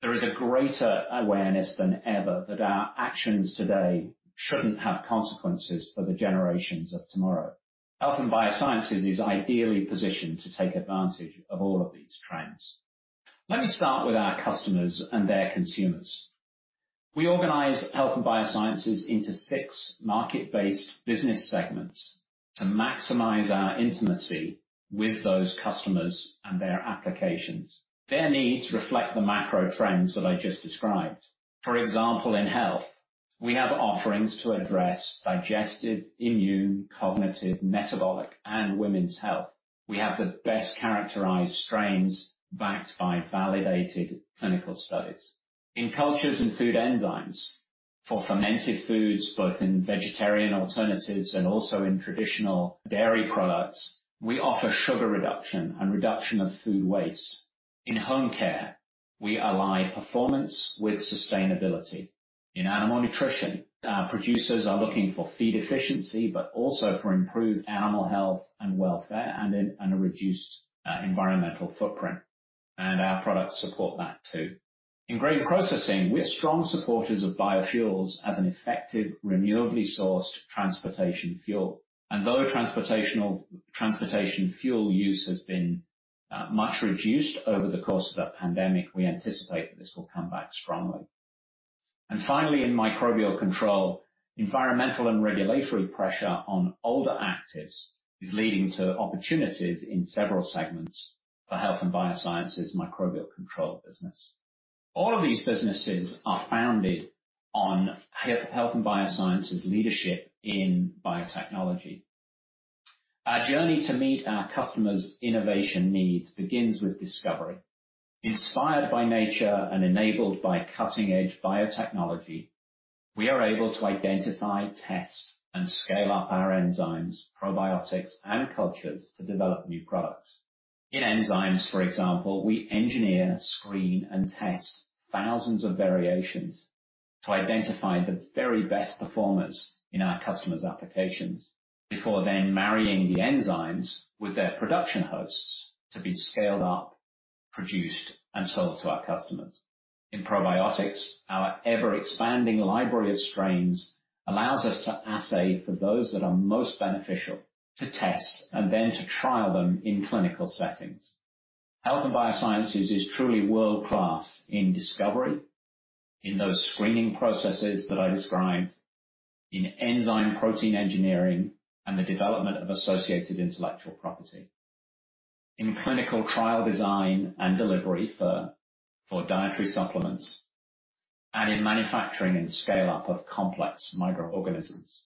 there is a greater awareness than ever that our actions today should not have consequences for the generations of tomorrow. Health and biosciences is ideally positioned to take advantage of all of these trends. Let me start with our customers and their consumers. We organize health and biosciences into six market-based business segments to maximize our intimacy with those customers and their applications. Their needs reflect the macro trends that I just described. For example, in health, we have offerings to address digestive, immune, cognitive, metabolic, and women's health. We have the best characterized strains backed by validated clinical studies. In cultures and food enzymes, for fermented foods, both in vegetarian alternatives and also in traditional dairy products, we offer sugar reduction and reduction of food waste. In home care, we align performance with sustainability. In animal nutrition, our producers are looking for feed efficiency, but also for improved animal health and welfare and a reduced environmental footprint. Our products support that too. In grain processing, we're strong supporters of biofuels as an effective, renewably sourced transportation fuel. Though transportation fuel use has been much reduced over the course of the pandemic, we anticipate that this will come back strongly. Finally, in microbial control, environmental and regulatory pressure on older actives is leading to opportunities in several segments for health and biosciences microbial control business. All of these businesses are founded on health and biosciences leadership in biotechnology. Our journey to meet our customers' innovation needs begins with discovery. Inspired by nature and enabled by cutting-edge biotechnology, we are able to identify, test, and scale up our enzymes, probiotics, and cultures to develop new products. In enzymes, for example, we engineer, screen, and test thousands of variations to identify the very best performers in our customers' applications before then marrying the enzymes with their production hosts to be scaled up, produced, and sold to our customers. In probiotics, our ever-expanding library of strains allows us to assay for those that are most beneficial to test and then to trial them in clinical settings. Health and biosciences is truly world-class in discovery, in those screening processes that I described, in enzyme protein engineering and the development of associated intellectual property, in clinical trial design and delivery for dietary supplements, and in manufacturing and scale-up of complex microorganisms.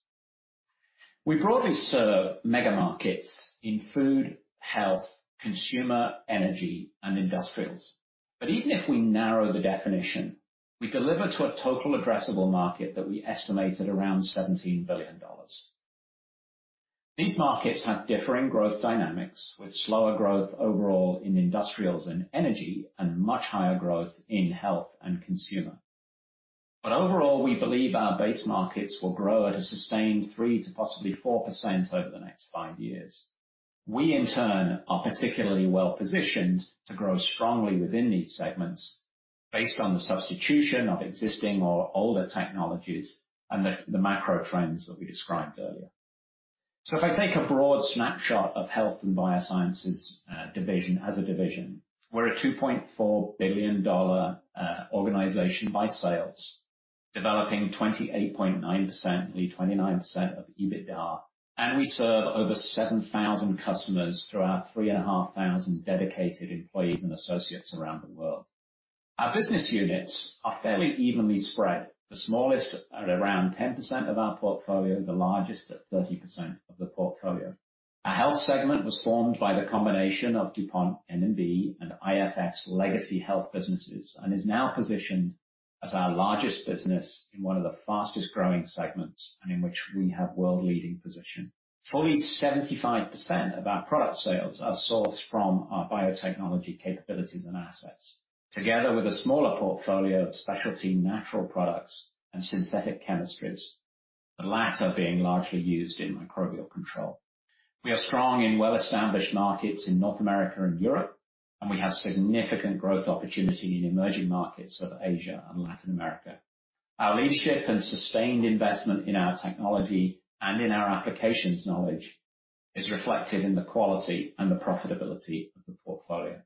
We broadly serve mega markets in food, health, consumer, energy, and industrials. Even if we narrow the definition, we deliver to a total addressable market that we estimated around $17 billion. These markets have differing growth dynamics, with slower growth overall in industrials and energy and much higher growth in health and consumer. Overall, we believe our base markets will grow at a sustained 3%-4% over the next five years. We, in turn, are particularly well-positioned to grow strongly within these segments based on the substitution of existing or older technologies and the macro trends that we described earlier. If I take a broad snapshot of Health & Biosciences division as a division, we're a $2.4 billion organization by sales, developing 28.9%, nearly 29% of EBITDA, and we serve over 7,000 customers through our 3,500 dedicated employees and associates around the world. Our business units are fairly evenly spread. The smallest at around 10% of our portfolio, the largest at 30% of the portfolio. Our health segment was formed by the combination of DuPont Nutrition & Biosciences and IFF's legacy health businesses and is now positioned as our largest business in one of the fastest-growing segments and in which we have world-leading position. Fully 75% of our product sales are sourced from our biotechnology capabilities and assets, together with a smaller portfolio of specialty natural products and synthetic chemistries, the latter being largely used in microbial control. We are strong in well-established markets in North America and Europe, and we have significant growth opportunity in emerging markets of Asia and Latin America. Our leadership and sustained investment in our technology and in our applications knowledge is reflected in the quality and the profitability of the portfolio.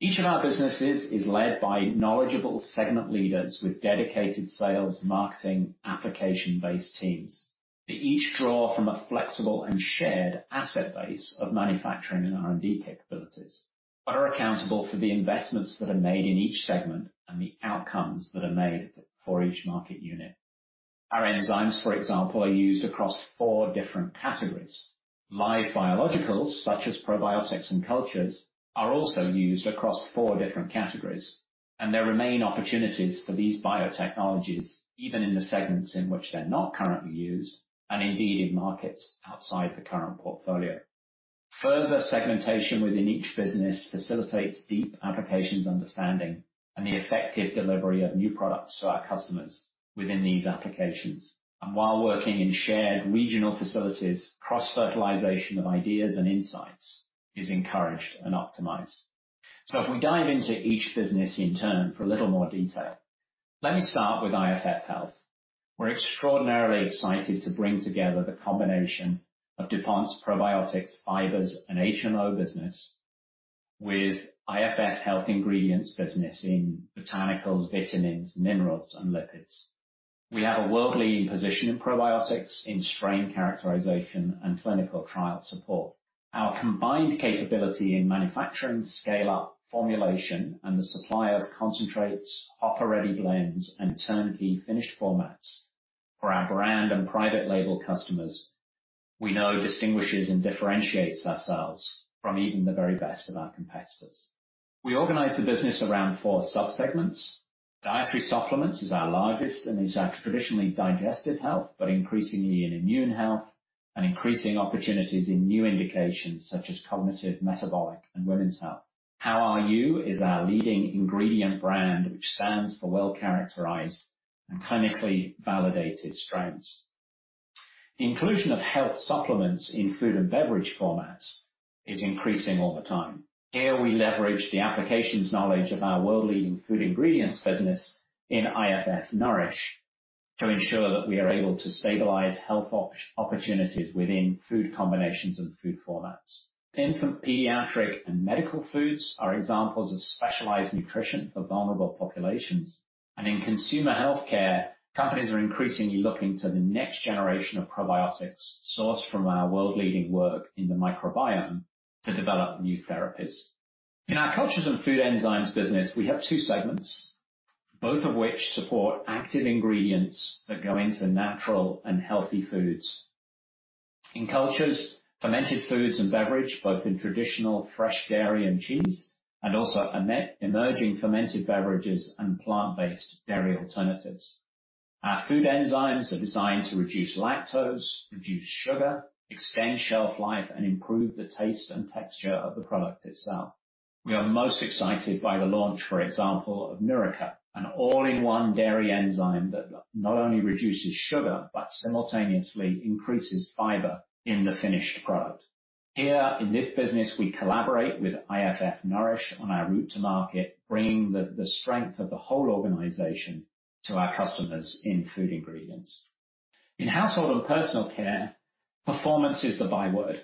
Each of our businesses is led by knowledgeable segment leaders with dedicated sales, marketing, and application-based teams that each draw from a flexible and shared asset base of manufacturing and R&D capabilities, but are accountable for the investments that are made in each segment and the outcomes that are made for each market unit. Our enzymes, for example, are used across four different categories. Live biologicals, such as probiotics and cultures, are also used across four different categories, and there remain opportunities for these biotechnologies even in the segments in which they're not currently used and indeed in markets outside the current portfolio. Further segmentation within each business facilitates deep applications understanding and the effective delivery of new products for our customers within these applications. While working in shared regional facilities, cross-fertilization of ideas and insights is encouraged and optimized. If we dive into each business in turn for a little more detail, let me start with IFF Health. We're extraordinarily excited to bring together the combination of DuPont's probiotics, fibers, and H&O business with IFF Health Ingredients business in botanicals, vitamins, minerals, and lipids. We have a world-leading position in probiotics, in strain characterization, and clinical trial support. Our combined capability in manufacturing, scale-up, formulation, and the supply of concentrates, hopper-ready blends, and turnkey finished formats for our brand and private label customers, we know distinguishes and differentiates ourselves from even the very best of our competitors. We organize the business around four sub-segments. Dietary supplements is our largest, and it's our traditionally digested health, but increasingly in immune health and increasing opportunities in new indications such as cognitive, metabolic, and women's health. HOWARU is our leading ingredient brand, which stands for well-characterized and clinically validated strains. The inclusion of health supplements in food and beverage formats is increasing all the time. Here we leverage the applications knowledge of our world-leading food ingredients business in IFF Nourish to ensure that we are able to stabilize health opportunities within food combinations and food formats. Infant, pediatric, and medical foods are examples of specialized nutrition for vulnerable populations. In consumer healthcare, companies are increasingly looking to the next generation of probiotics sourced from our world-leading work in the microbiome to develop new therapies. In our cultures and food enzymes business, we have two segments, both of which support active ingredients that go into natural and healthy foods. In cultures, fermented foods and beverage, both in traditional fresh dairy and cheese, and also emerging fermented beverages and plant-based dairy alternatives. Our food enzymes are designed to reduce lactose, reduce sugar, extend shelf life, and improve the taste and texture of the product itself. We are most excited by the launch, for example, of Nurica, an all-in-one dairy enzyme that not only reduces sugar but simultaneously increases fiber in the finished product. Here in this business, we collaborate with IFF Nourish on our route to market, bringing the strength of the whole organization to our customers in food ingredients. In household and personal care, performance is the byword.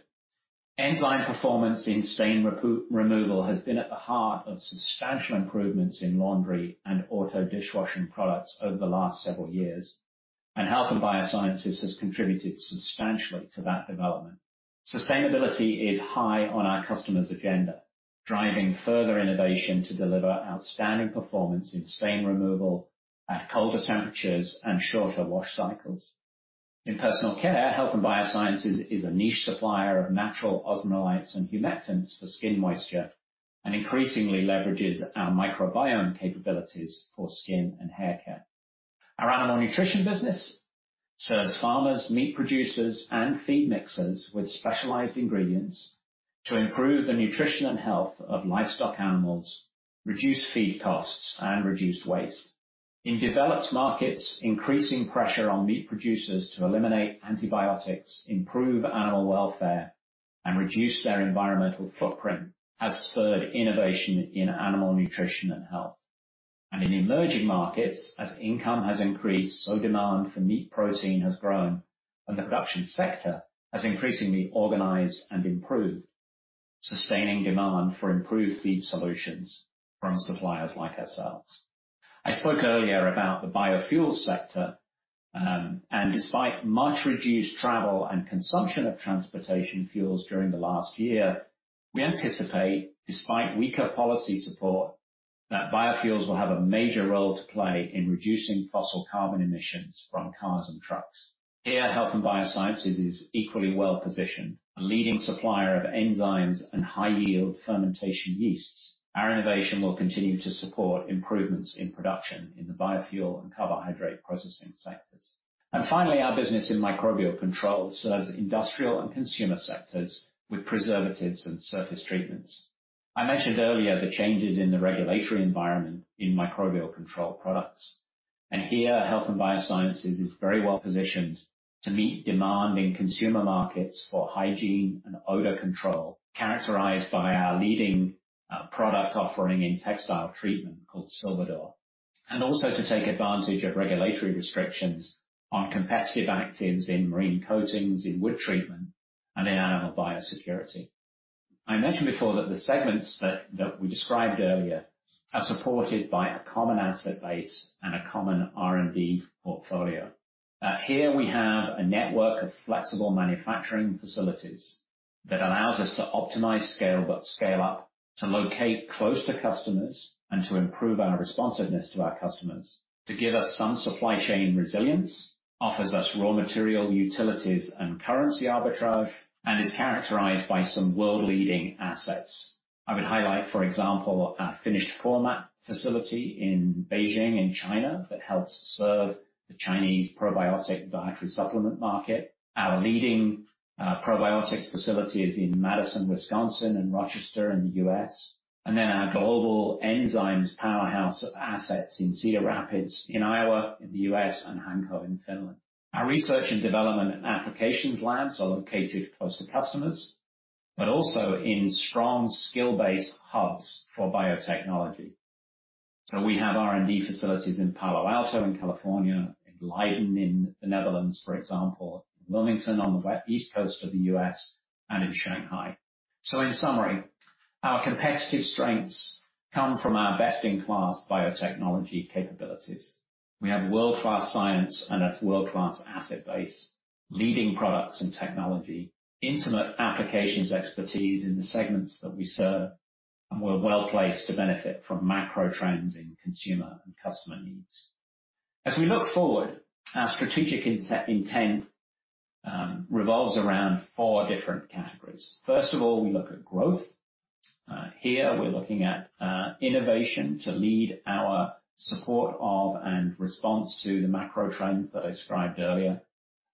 Enzyme performance in stain removal has been at the heart of substantial improvements in laundry and auto dishwashing products over the last several years, and Health and Biosciences has contributed substantially to that development. Sustainability is high on our customers' agenda, driving further innovation to deliver outstanding performance in stain removal at colder temperatures and shorter wash cycles. In personal care, Health & Biosciences is a niche supplier of natural osmolites and humectants for skin moisture and increasingly leverages our microbiome capabilities for skin and hair care. Our animal nutrition business serves farmers, meat producers, and feed mixers with specialized ingredients to improve the nutrition and health of livestock animals, reduce feed costs, and reduce waste. In developed markets, increasing pressure on meat producers to eliminate antibiotics, improve animal welfare, and reduce their environmental footprint has spurred innovation in animal nutrition and health. In emerging markets, as income has increased, so demand for meat protein has grown, and the production sector has increasingly organized and improved, sustaining demand for improved feed solutions from suppliers like ourselves. I spoke earlier about the biofuel sector, and despite much reduced travel and consumption of transportation fuels during the last year, we anticipate, despite weaker policy support, that biofuels will have a major role to play in reducing fossil carbon emissions from cars and trucks. Here, Health & Biosciences is equally well-positioned, a leading supplier of enzymes and high-yield fermentation yeasts. Our innovation will continue to support improvements in production in the biofuel and carbohydrate processing sectors. Finally, our business in microbial control serves industrial and consumer sectors with preservatives and surface treatments. I mentioned earlier the changes in the regulatory environment in microbial control products. Here, health and biosciences is very well-positioned to meet demand in consumer markets for hygiene and odor control, characterized by our leading product offering in textile treatment called Silvadur, and also to take advantage of regulatory restrictions on competitive actives in marine coatings, in wood treatment, and in animal biosecurity. I mentioned before that the segments that we described earlier are supported by a common asset base and a common R&D portfolio. Here we have a network of flexible manufacturing facilities that allows us to optimize scale but scale up to locate close to customers and to improve our responsiveness to our customers, to give us some supply chain resilience, offers us raw material utilities and currency arbitrage, and is characterized by some world-leading assets. I would highlight, for example, our finished format facility in Beijing in China that helps serve the Chinese probiotic dietary supplement market. Our leading probiotics facility is in Madison, Wisconsin, and Rochester in the U.S., and then our global enzymes powerhouse of assets in Cedar Rapids in Iowa in the U.S. and Hanko in Finland. Our research and development and applications labs are located close to customers, but also in strong skill-based hubs for biotechnology. We have R&D facilities in Palo Alto in California, in Leiden in the Netherlands, for example, in Wilmington on the east coast of the U.S., and in Shanghai. In summary, our competitive strengths come from our best-in-class biotechnology capabilities. We have world-class science and a world-class asset base, leading products and technology, intimate applications expertise in the segments that we serve, and we're well-placed to benefit from macro trends in consumer and customer needs. As we look forward, our strategic intent revolves around four different categories. First of all, we look at growth. Here we're looking at innovation to lead our support of and response to the macro trends that I described earlier,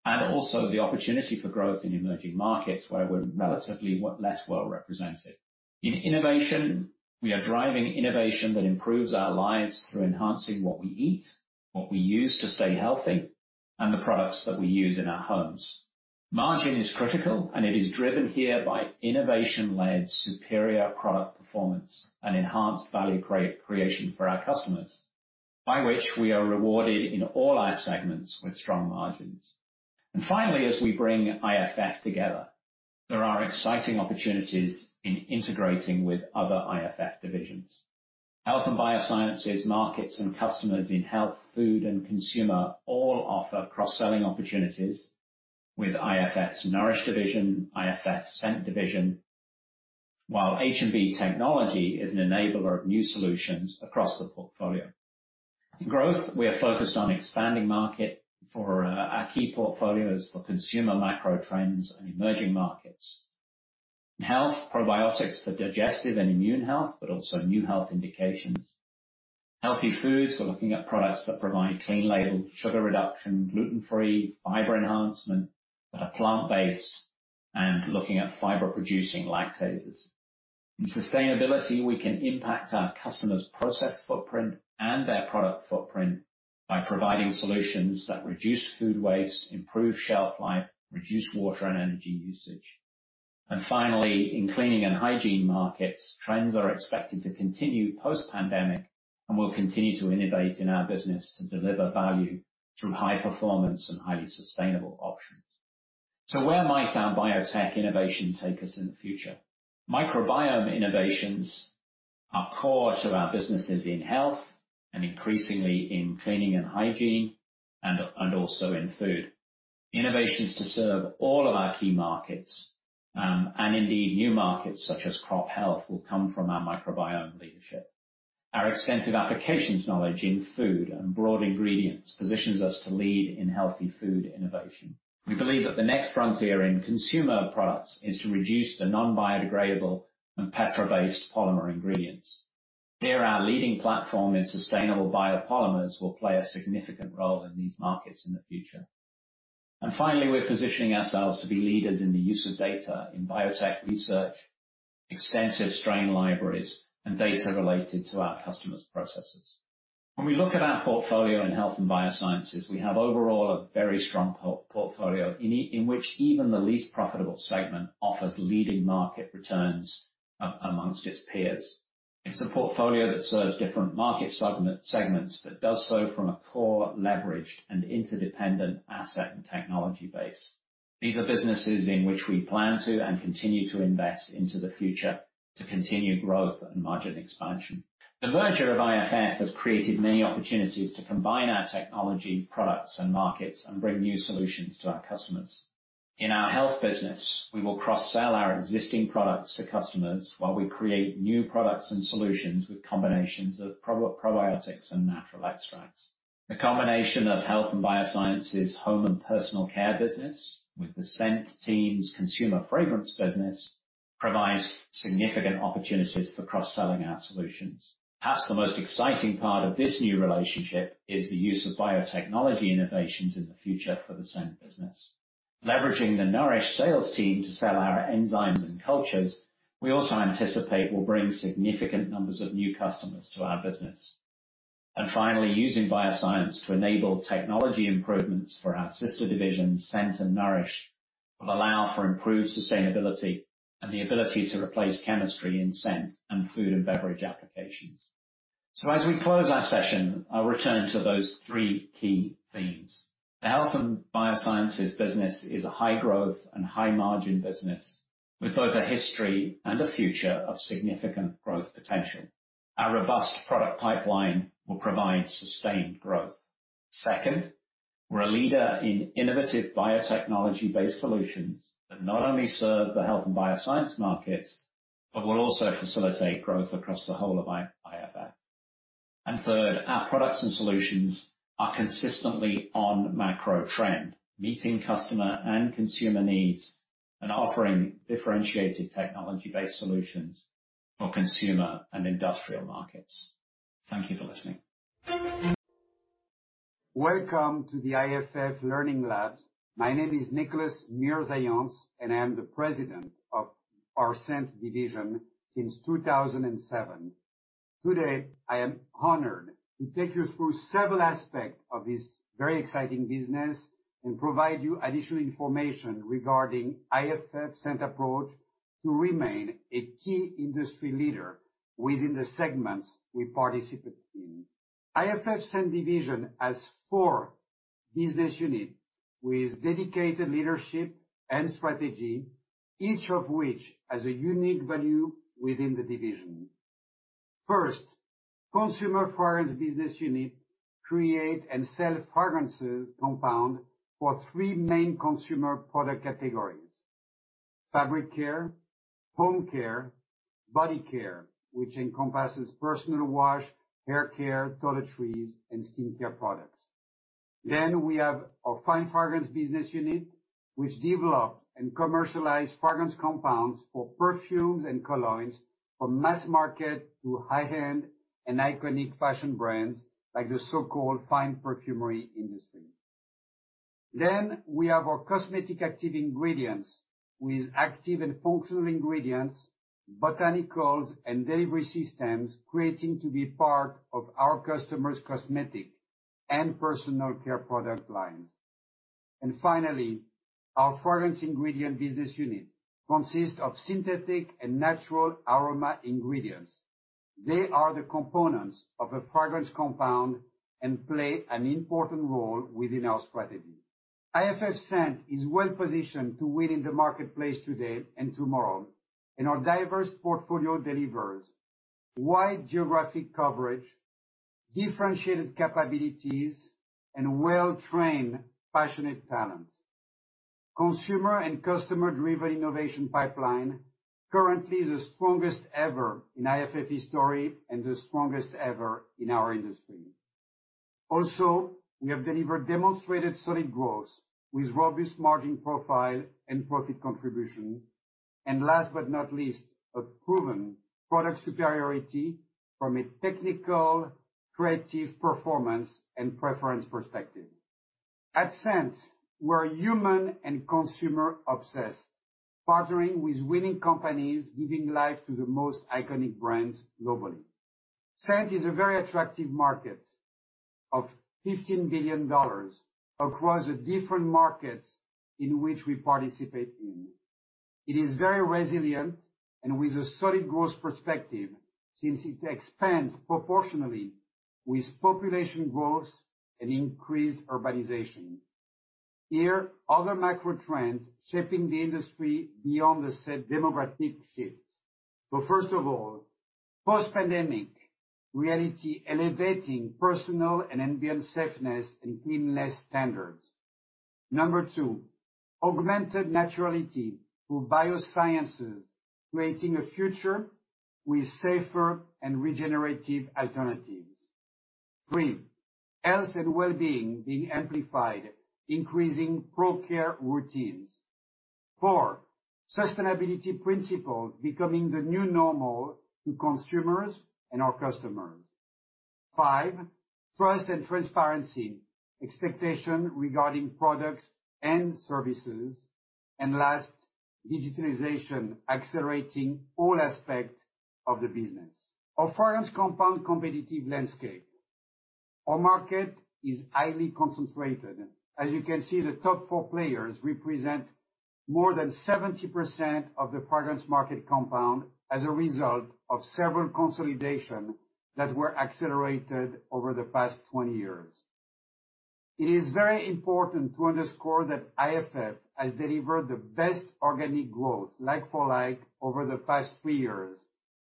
and also the opportunity for growth in emerging markets where we're relatively less well-represented. In innovation, we are driving innovation that improves our lives through enhancing what we eat, what we use to stay healthy, and the products that we use in our homes. Margin is critical, and it is driven here by innovation-led superior product performance and enhanced value creation for our customers, by which we are rewarded in all our segments with strong margins. Finally, as we bring IFF together, there are exciting opportunities in integrating with other IFF divisions. Health and biosciences markets and customers in health, food, and consumer all offer cross-selling opportunities with IFF's Nourish division, IFF's Scent division, while H&B Technology is an enabler of new solutions across the portfolio. In growth, we are focused on expanding market for our key portfolios for consumer macro trends and emerging markets. In health, probiotics for digestive and immune health, but also new health indications. Healthy foods, we're looking at products that provide clean label, sugar reduction, gluten-free, fiber enhancement, that are plant-based, and looking at fiber-producing lactases. In sustainability, we can impact our customers' process footprint and their product footprint by providing solutions that reduce food waste, improve shelf life, reduce water and energy usage. Finally, in cleaning and hygiene markets, trends are expected to continue post-pandemic, and we'll continue to innovate in our business to deliver value through high-performance and highly sustainable options. Where might our biotech innovation take us in the future? Microbiome innovations are core to our businesses in health and increasingly in cleaning and hygiene and also in food. Innovations to serve all of our key markets and indeed new markets such as crop health will come from our microbiome leadership. Our extensive applications knowledge in food and broad ingredients positions us to lead in healthy food innovation. We believe that the next frontier in consumer products is to reduce the non-biodegradable and petro-based polymer ingredients. Here, our leading platform in sustainable biopolymers will play a significant role in these markets in the future. Finally, we're positioning ourselves to be leaders in the use of data in biotech research, extensive strain libraries, and data related to our customers' processes. When we look at our portfolio in health and biosciences, we have overall a very strong portfolio in which even the least profitable segment offers leading market returns amongst its peers. It's a portfolio that serves different market segments, but does so from a core leveraged and interdependent asset and technology base. These are businesses in which we plan to and continue to invest into the future to continue growth and margin expansion. The merger of IFF has created many opportunities to combine our technology products and markets and bring new solutions to our customers. In our health business, we will cross-sell our existing products to customers while we create new products and solutions with combinations of probiotics and natural extracts. The combination of health and biosciences home and personal care business with the scent team's consumer fragrance business provides significant opportunities for cross-selling our solutions. Perhaps the most exciting part of this new relationship is the use of biotechnology innovations in the future for the same business. Leveraging the Nourish sales team to sell our enzymes and cultures, we also anticipate will bring significant numbers of new customers to our business. Finally, using bioscience to enable technology improvements for our sister divisions, Scent and Nourish, will allow for improved sustainability and the ability to replace chemistry in scent and food and beverage applications. As we close our session, I'll return to those three key themes. The health and biosciences business is a high-growth and high-margin business with both a history and a future of significant growth potential. Our robust product pipeline will provide sustained growth. Second, we're a leader in innovative biotechnology-based solutions that not only serve the health and bioscience markets, but will also facilitate growth across the whole of IFF. Third, our products and solutions are consistently on macro trend, meeting customer and consumer needs and offering differentiated technology-based solutions for consumer and industrial markets. Thank you for listening. Welcome to the IFF Learning Labs. My name is Nicolas Mirzayantz, and I am the President of our Scent division since 2007. Today, I am honored to take you through several aspects of this very exciting business and provide you additional information regarding IFF's Scent approach to remain a key industry leader within the segments we participate in. IFF's Scent division has four business units with dedicated leadership and strategy, each of which has a unique value within the division. First, the Consumer Fragrance business unit creates and sells fragrance compounds for three main consumer product categories: fabric care, home care, and body care, which encompasses personal wash, hair care, toiletries, and skincare products. We have our fine fragrance business unit, which develops and commercializes fragrance compounds for perfumes and colognes from mass market to high-end and iconic fashion brands like the so-called fine perfumery industry. We have our cosmetic active ingredients with active and functional ingredients, botanicals, and delivery systems creating to be part of our customers' cosmetic and personal care product lines. Finally, our fragrance ingredient business unit consists of synthetic and natural aroma ingredients. They are the components of a fragrance compound and play an important role within our strategy. IFF Scent is well-positioned to win in the marketplace today and tomorrow, and our diverse portfolio delivers wide geographic coverage, differentiated capabilities, and well-trained passionate talent. Consumer and customer-driven innovation pipeline currently is the strongest ever in IFF's history and the strongest ever in our industry. Also, we have delivered demonstrated solid growth with robust margin profile and profit contribution, and last but not least, a proven product superiority from a technical, creative performance and preference perspective. At Scent, we're human and consumer obsessed, partnering with winning companies giving life to the most iconic brands globally. Scent is a very attractive market of $15 billion across the different markets in which we participate in. It is very resilient and with a solid growth perspective since it expands proportionally with population growth and increased urbanization. Here, other macro trends are shaping the industry beyond the demographic shift. First of all, post-pandemic reality elevating personal and ambient safeness and cleanliness standards. Number two, augmented naturality through biosciences creating a future with safer and regenerative alternatives. Three, health and well-being being amplified, increasing pro-care routines. Four, sustainability principles becoming the new normal to consumers and our customers. Five, trust and transparency expectations regarding products and services. Last, digitalization accelerating all aspects of the business. Our fragrance compound competitive landscape. Our market is highly concentrated. As you can see, the top four players represent more than 70% of the fragrance market compound as a result of several consolidations that were accelerated over the past 20 years. It is very important to underscore that IFF has delivered the best organic growth like-for-like over the past three years,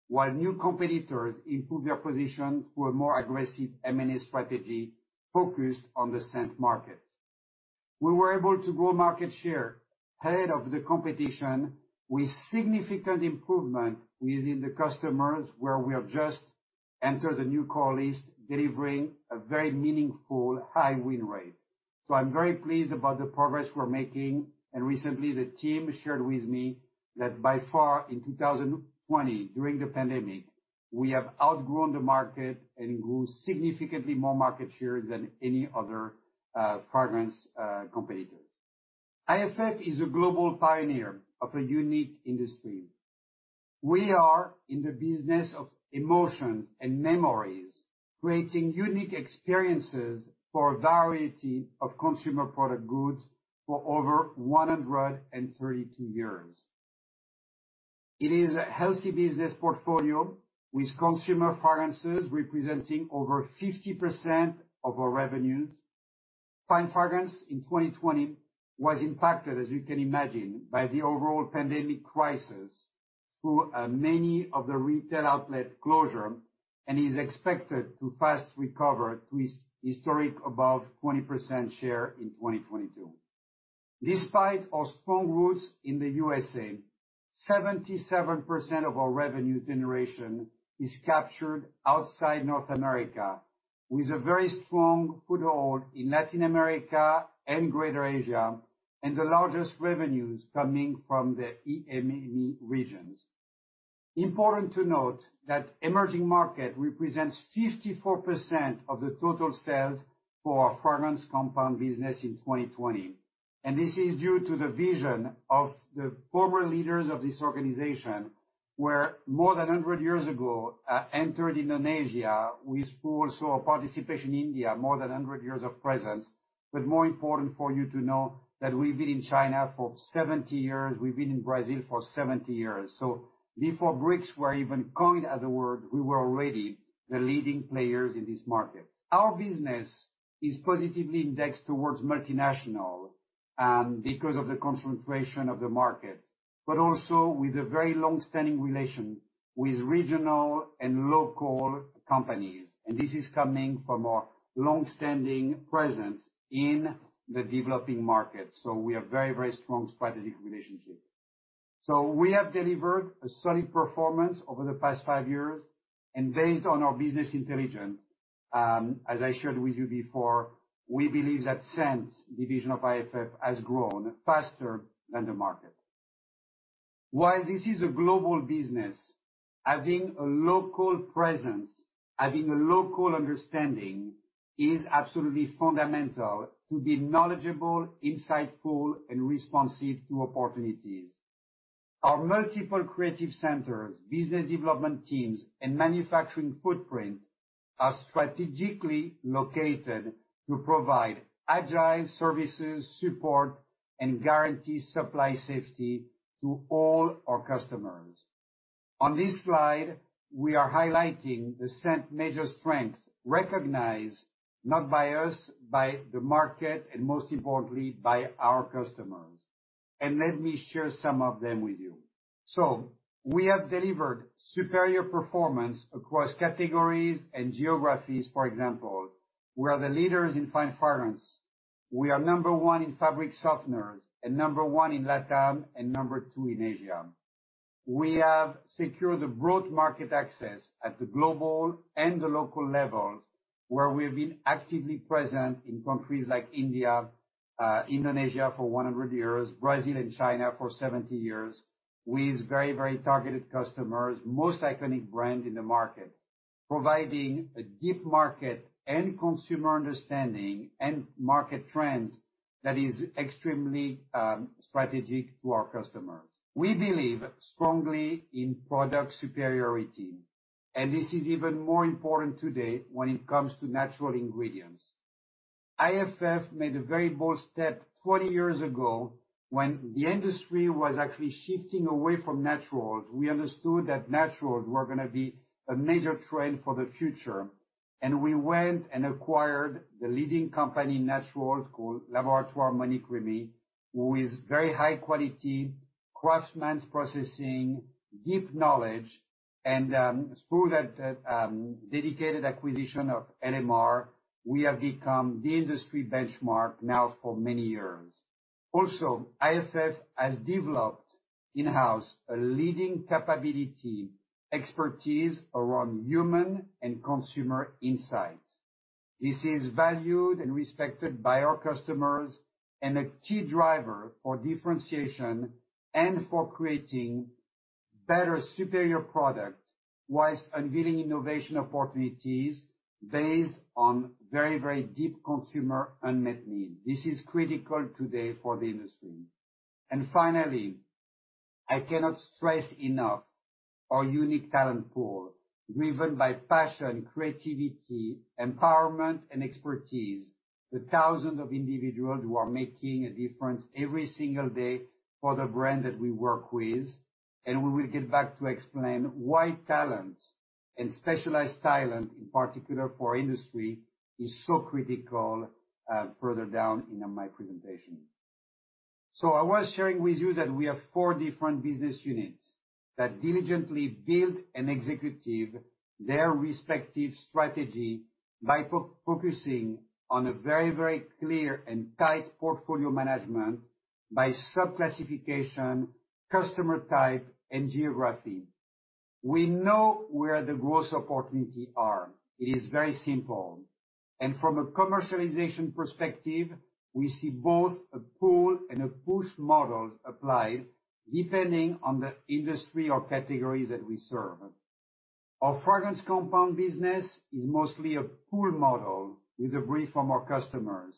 while new competitors improve their position through a more aggressive M&A strategy focused on the scent market. We were able to grow market share ahead of the competition with significant improvement within the customers where we have just entered a new core list, delivering a very meaningful high win rate. I am very pleased about the progress we are making. Recently, the team shared with me that by far in 2020, during the pandemic, we have outgrown the market and grew significantly more market share than any other fragrance competitors. IFF is a global pioneer of a unique industry. We are in the business of emotions and memories, creating unique experiences for a variety of consumer product goods for over 132 years. It is a healthy business portfolio with consumer fragrances representing over 50% of our revenues. Fine fragrance in 2020 was impacted, as you can imagine, by the overall pandemic crisis through many of the retail outlet closures and is expected to fast recover to its historic above 20% share in 2022. Despite our strong roots in the U.S.A., 77% of our revenue generation is captured outside North America, with a very strong foothold in Latin America and Greater Asia, and the largest revenues coming from the EME regions. Important to note that emerging market represents 54% of the total sales for our fragrance compound business in 2020. This is due to the vision of the former leaders of this organization, where more than 100 years ago entered Indonesia with also a participation in India, more than 100 years of presence. More important for you to know that we have been in China for 70 years. We have been in Brazil for 70 years. Before BRICS were even coined as a word, we were already the leading players in this market. Our business is positively indexed towards multinationals because of the concentration of the market, but also with a very long-standing relation with regional and local companies. This is coming from our long-standing presence in the developing markets. We have a very, very strong strategic relationship. We have delivered a solid performance over the past five years. Based on our business intelligence, as I shared with you before, we believe that Scent division of IFF has grown faster than the market. While this is a global business, having a local presence, having a local understanding is absolutely fundamental to be knowledgeable, insightful, and responsive to opportunities. Our multiple creative centers, business development teams, and manufacturing footprint are strategically located to provide agile services, support, and guarantee supply safety to all our customers. On this slide, we are highlighting the Scent major strengths recognized not by us, by the market, and most importantly, by our customers. Let me share some of them with you. We have delivered superior performance across categories and geographies. For example, we are the leaders in fine fragrance. We are number one in fabric softeners and number one in LATAM and number two in Asia. We have secured the broad market access at the global and the local levels, where we have been actively present in countries like India, Indonesia for 100 years, Brazil, and China for 70 years with very, very targeted customers, most iconic brands in the market, providing a deep market and consumer understanding and market trends that is extremely strategic to our customers. We believe strongly in product superiority. This is even more important today when it comes to natural ingredients. IFF made a very bold step 20 years ago when the industry was actually shifting away from naturals. We understood that naturals were going to be a major trend for the future. We went and acquired the leading company in natural called Laboratoire Monique Remy, who is very high-quality craftsman's processing, deep knowledge, and through that dedicated acquisition of LMR, we have become the industry benchmark now for many years. Also, IFF has developed in-house a leading capability expertise around human and consumer insight. This is valued and respected by our customers and a key driver for differentiation and for creating better superior products whilst unveiling innovation opportunities based on very, very deep consumer unmet needs. This is critical today for the industry. Finally, I cannot stress enough our unique talent pool driven by passion, creativity, empowerment, and expertise, the thousands of individuals who are making a difference every single day for the brand that we work with. We will get back to explain why talent and specialized talent, in particular for our industry, is so critical further down in my presentation. I was sharing with you that we have four different business units that diligently build and execute their respective strategy by focusing on a very, very clear and tight portfolio management by sub-classification, customer type, and geography. We know where the growth opportunities are. It is very simple. From a commercialization perspective, we see both a pull and a push model applied depending on the industry or categories that we serve. Our fragrance compound business is mostly a pull model with a brief from our customers.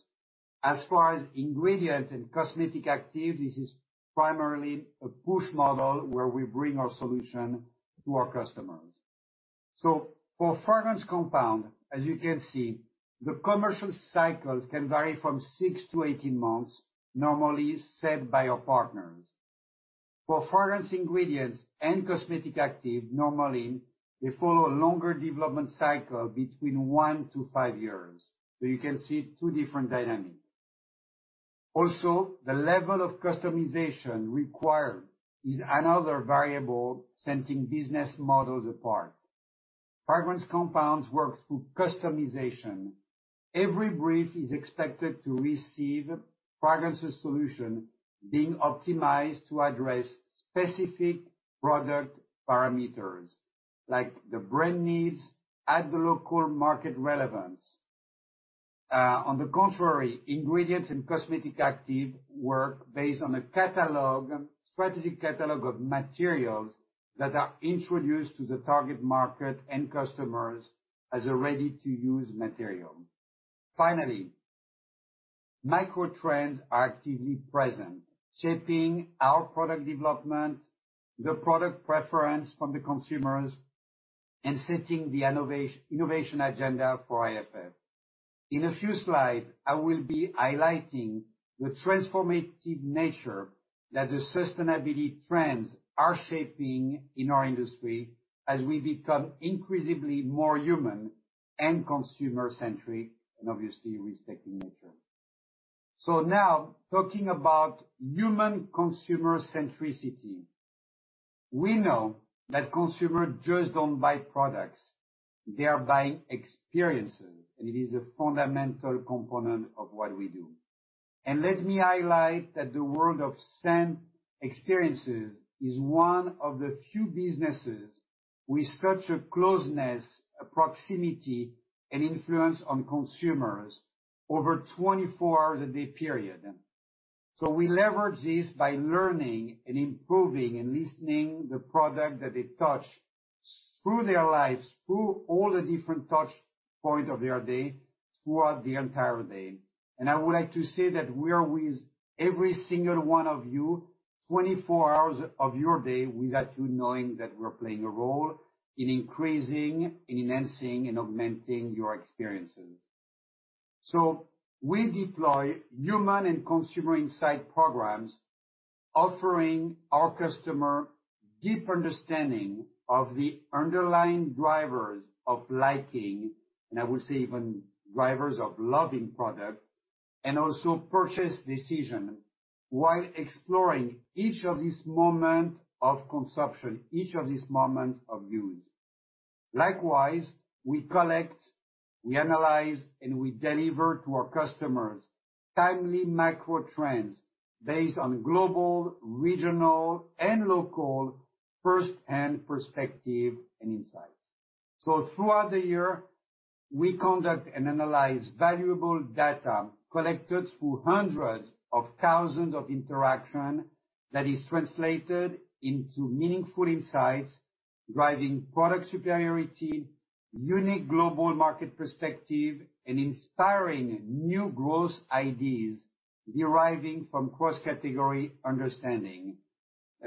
As far as ingredients and cosmetic actives, this is primarily a push model where we bring our solution to our customers. For fragrance compound, as you can see, the commercial cycles can vary from 6-18 months, normally set by our partners. For fragrance ingredients and cosmetic actives, normally they follow a longer development cycle between 1-5 years. You can see two different dynamics. Also, the level of customization required is another variable centering business models apart. Fragrance compounds work through customization. Every brief is expected to receive fragrance solution being optimized to address specific product parameters like the brand needs at the local market relevance. On the contrary, ingredients and cosmetic actives work based on a catalog, strategic catalog of materials that are introduced to the target market and customers as a ready-to-use material. Finally, micro trends are actively present, shaping our product development, the product preference from the consumers, and setting the innovation agenda for IFF. In a few slides, I will be highlighting the transformative nature that the sustainability trends are shaping in our industry as we become increasingly more human and consumer-centric and obviously respecting nature. Now talking about human consumer-centricity, we know that consumers just do not buy products. They are buying experiences. It is a fundamental component of what we do. Let me highlight that the world of scent experiences is one of the few businesses with such a closeness, proximity, and influence on consumers over a 24-hour-a-day period. We leverage this by learning and improving and listening to the product that they touch through their lives, through all the different touch points of their day throughout the entire day. I would like to say that we are with every single one of you 24 hours of your day, with that, you knowing that we're playing a role in increasing, enhancing, and augmenting your experiences. We deploy human and consumer insight programs, offering our customers deep understanding of the underlying drivers of liking, and I would say even drivers of loving product, and also purchase decision while exploring each of these moments of consumption, each of these moments of use. Likewise, we collect, we analyze, and we deliver to our customers timely macro trends based on global, regional, and local firsthand perspective and insights. Throughout the year, we conduct and analyze valuable data collected through hundreds of thousands of interactions that are translated into meaningful insights, driving product superiority, unique global market perspective, and inspiring new growth ideas deriving from cross-category understanding.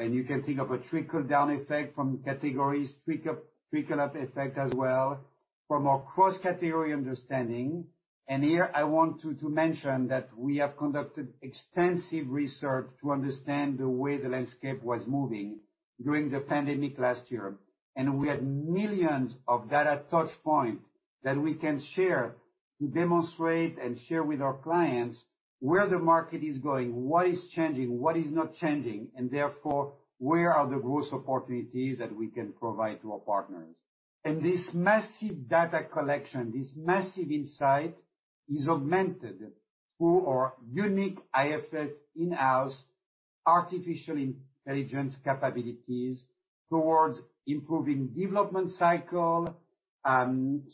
You can think of a trickle-down effect from categories, trickle-up effect as well from our cross-category understanding. Here, I want to mention that we have conducted extensive research to understand the way the landscape was moving during the pandemic last year. We had millions of data touchpoints that we can share to demonstrate and share with our clients where the market is going, what is changing, what is not changing, and therefore, where are the growth opportunities that we can provide to our partners. This massive data collection, this massive insight is augmented through our unique IFF in-house artificial intelligence capabilities towards improving development cycle,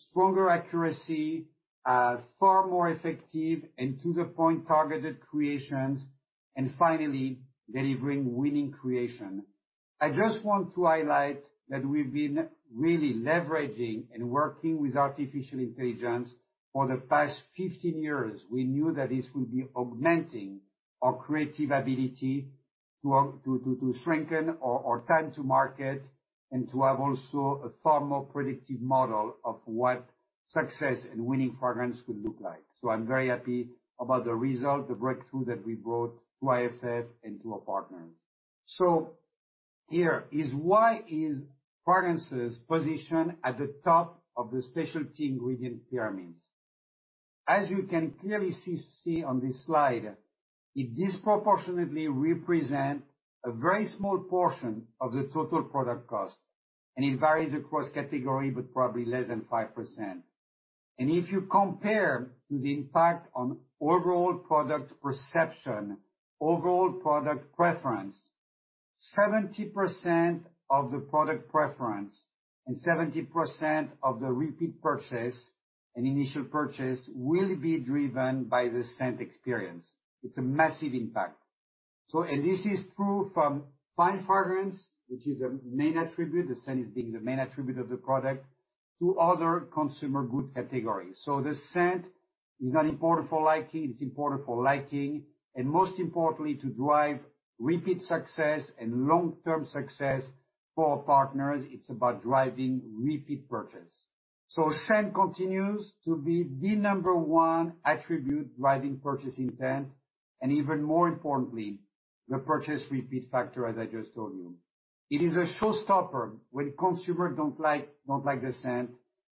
stronger accuracy, far more effective, and to-the-point targeted creations, and finally, delivering winning creation. I just want to highlight that we've been really leveraging and working with artificial intelligence for the past 15 years. We knew that this would be augmenting our creative ability to strengthen our time to market and to have also a far more predictive model of what success and winning fragrance would look like. I am very happy about the result, the breakthrough that we brought to IFF and to our partners. Here is why fragrances are positioned at the top of the specialty ingredient pyramids. As you can clearly see on this slide, it disproportionately represents a very small portion of the total product cost. It varies across categories, but probably less than 5%. If you compare to the impact on overall product perception, overall product preference, 70% of the product preference and 70% of the repeat purchase and initial purchase will be driven by the scent experience. It is a massive impact. This is true from fine fragrance, which is a main attribute, the scent being the main attribute of the product, to other consumer goods categories. The scent is not important for liking. It's important for liking. Most importantly, to drive repeat success and long-term success for our partners, it's about driving repeat purchase. Scent continues to be the number one attribute driving purchase intent. Even more importantly, the purchase repeat factor, as I just told you. It is a showstopper when consumers do not like the scent.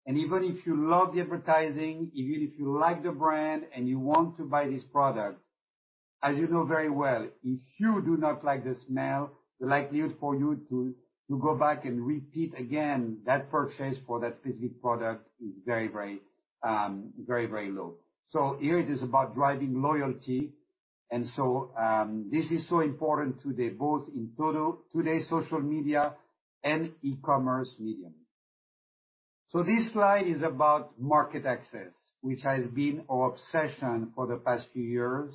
Even if you love the advertising, even if you like the brand and you want to buy this product, as you know very well, if you do not like the smell, the likelihood for you to go back and repeat again that purchase for that specific product is very, very, very, very low. Here, it is about driving loyalty. This is so important today, both in today's social media and e-commerce media. This slide is about market access, which has been our obsession for the past few years.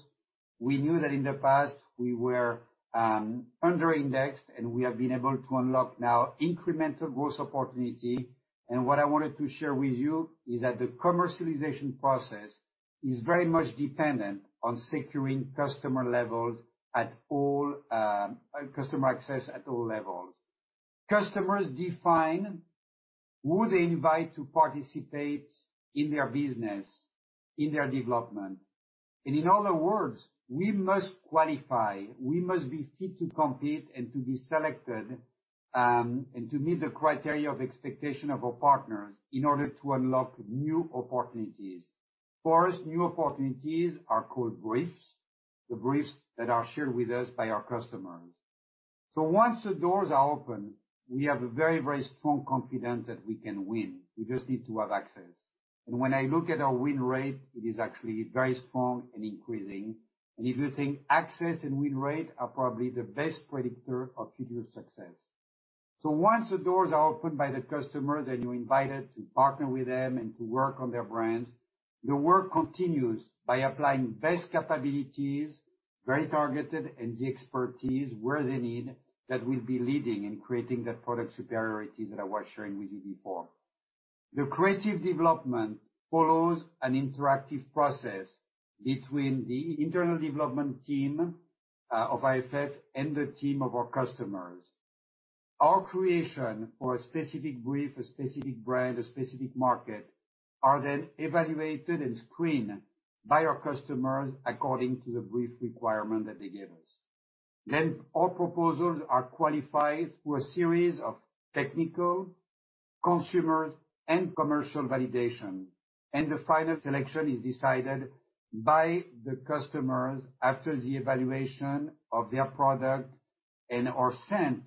We knew that in the past, we were under-indexed. We have been able to unlock now incremental growth opportunity. What I wanted to share with you is that the commercialization process is very much dependent on securing customer access at all levels. Customers define who they invite to participate in their business, in their development. In other words, we must qualify. We must be fit to compete and to be selected and to meet the criteria of expectation of our partners in order to unlock new opportunities. For us, new opportunities are called briefs, the briefs that are shared with us by our customers. Once the doors are open, we have a very, very strong confidence that we can win. We just need to have access. When I look at our win rate, it is actually very strong and increasing. If you think, access and win rate are probably the best predictor of future success. Once the doors are opened by the customers and you're invited to partner with them and to work on their brands, the work continues by applying best capabilities, very targeted, and the expertise where they need that will be leading in creating that product superiority that I was sharing with you before. The creative development follows an interactive process between the internal development team of IFF and the team of our customers. Our creation for a specific brief, a specific brand, a specific market are then evaluated and screened by our customers according to the brief requirement that they give us. All proposals are qualified through a series of technical, consumer, and commercial validation. The final selection is decided by the customers after the evaluation of their product and/or scent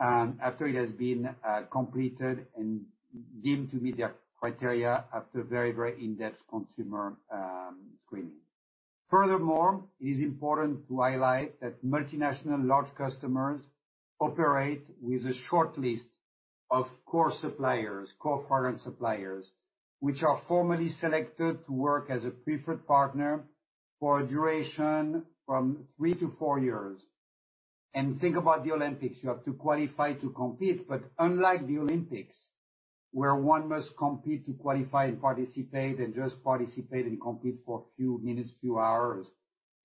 after it has been completed and deemed to meet their criteria after very, very in-depth consumer screening. Furthermore, it is important to highlight that multinational large customers operate with a short list of core suppliers, core fragrance suppliers, which are formally selected to work as a preferred partner for a duration from three to four years. Think about the Olympics. You have to qualify to compete. Unlike the Olympics, where one must compete to qualify and participate and just participate and compete for a few minutes, few hours,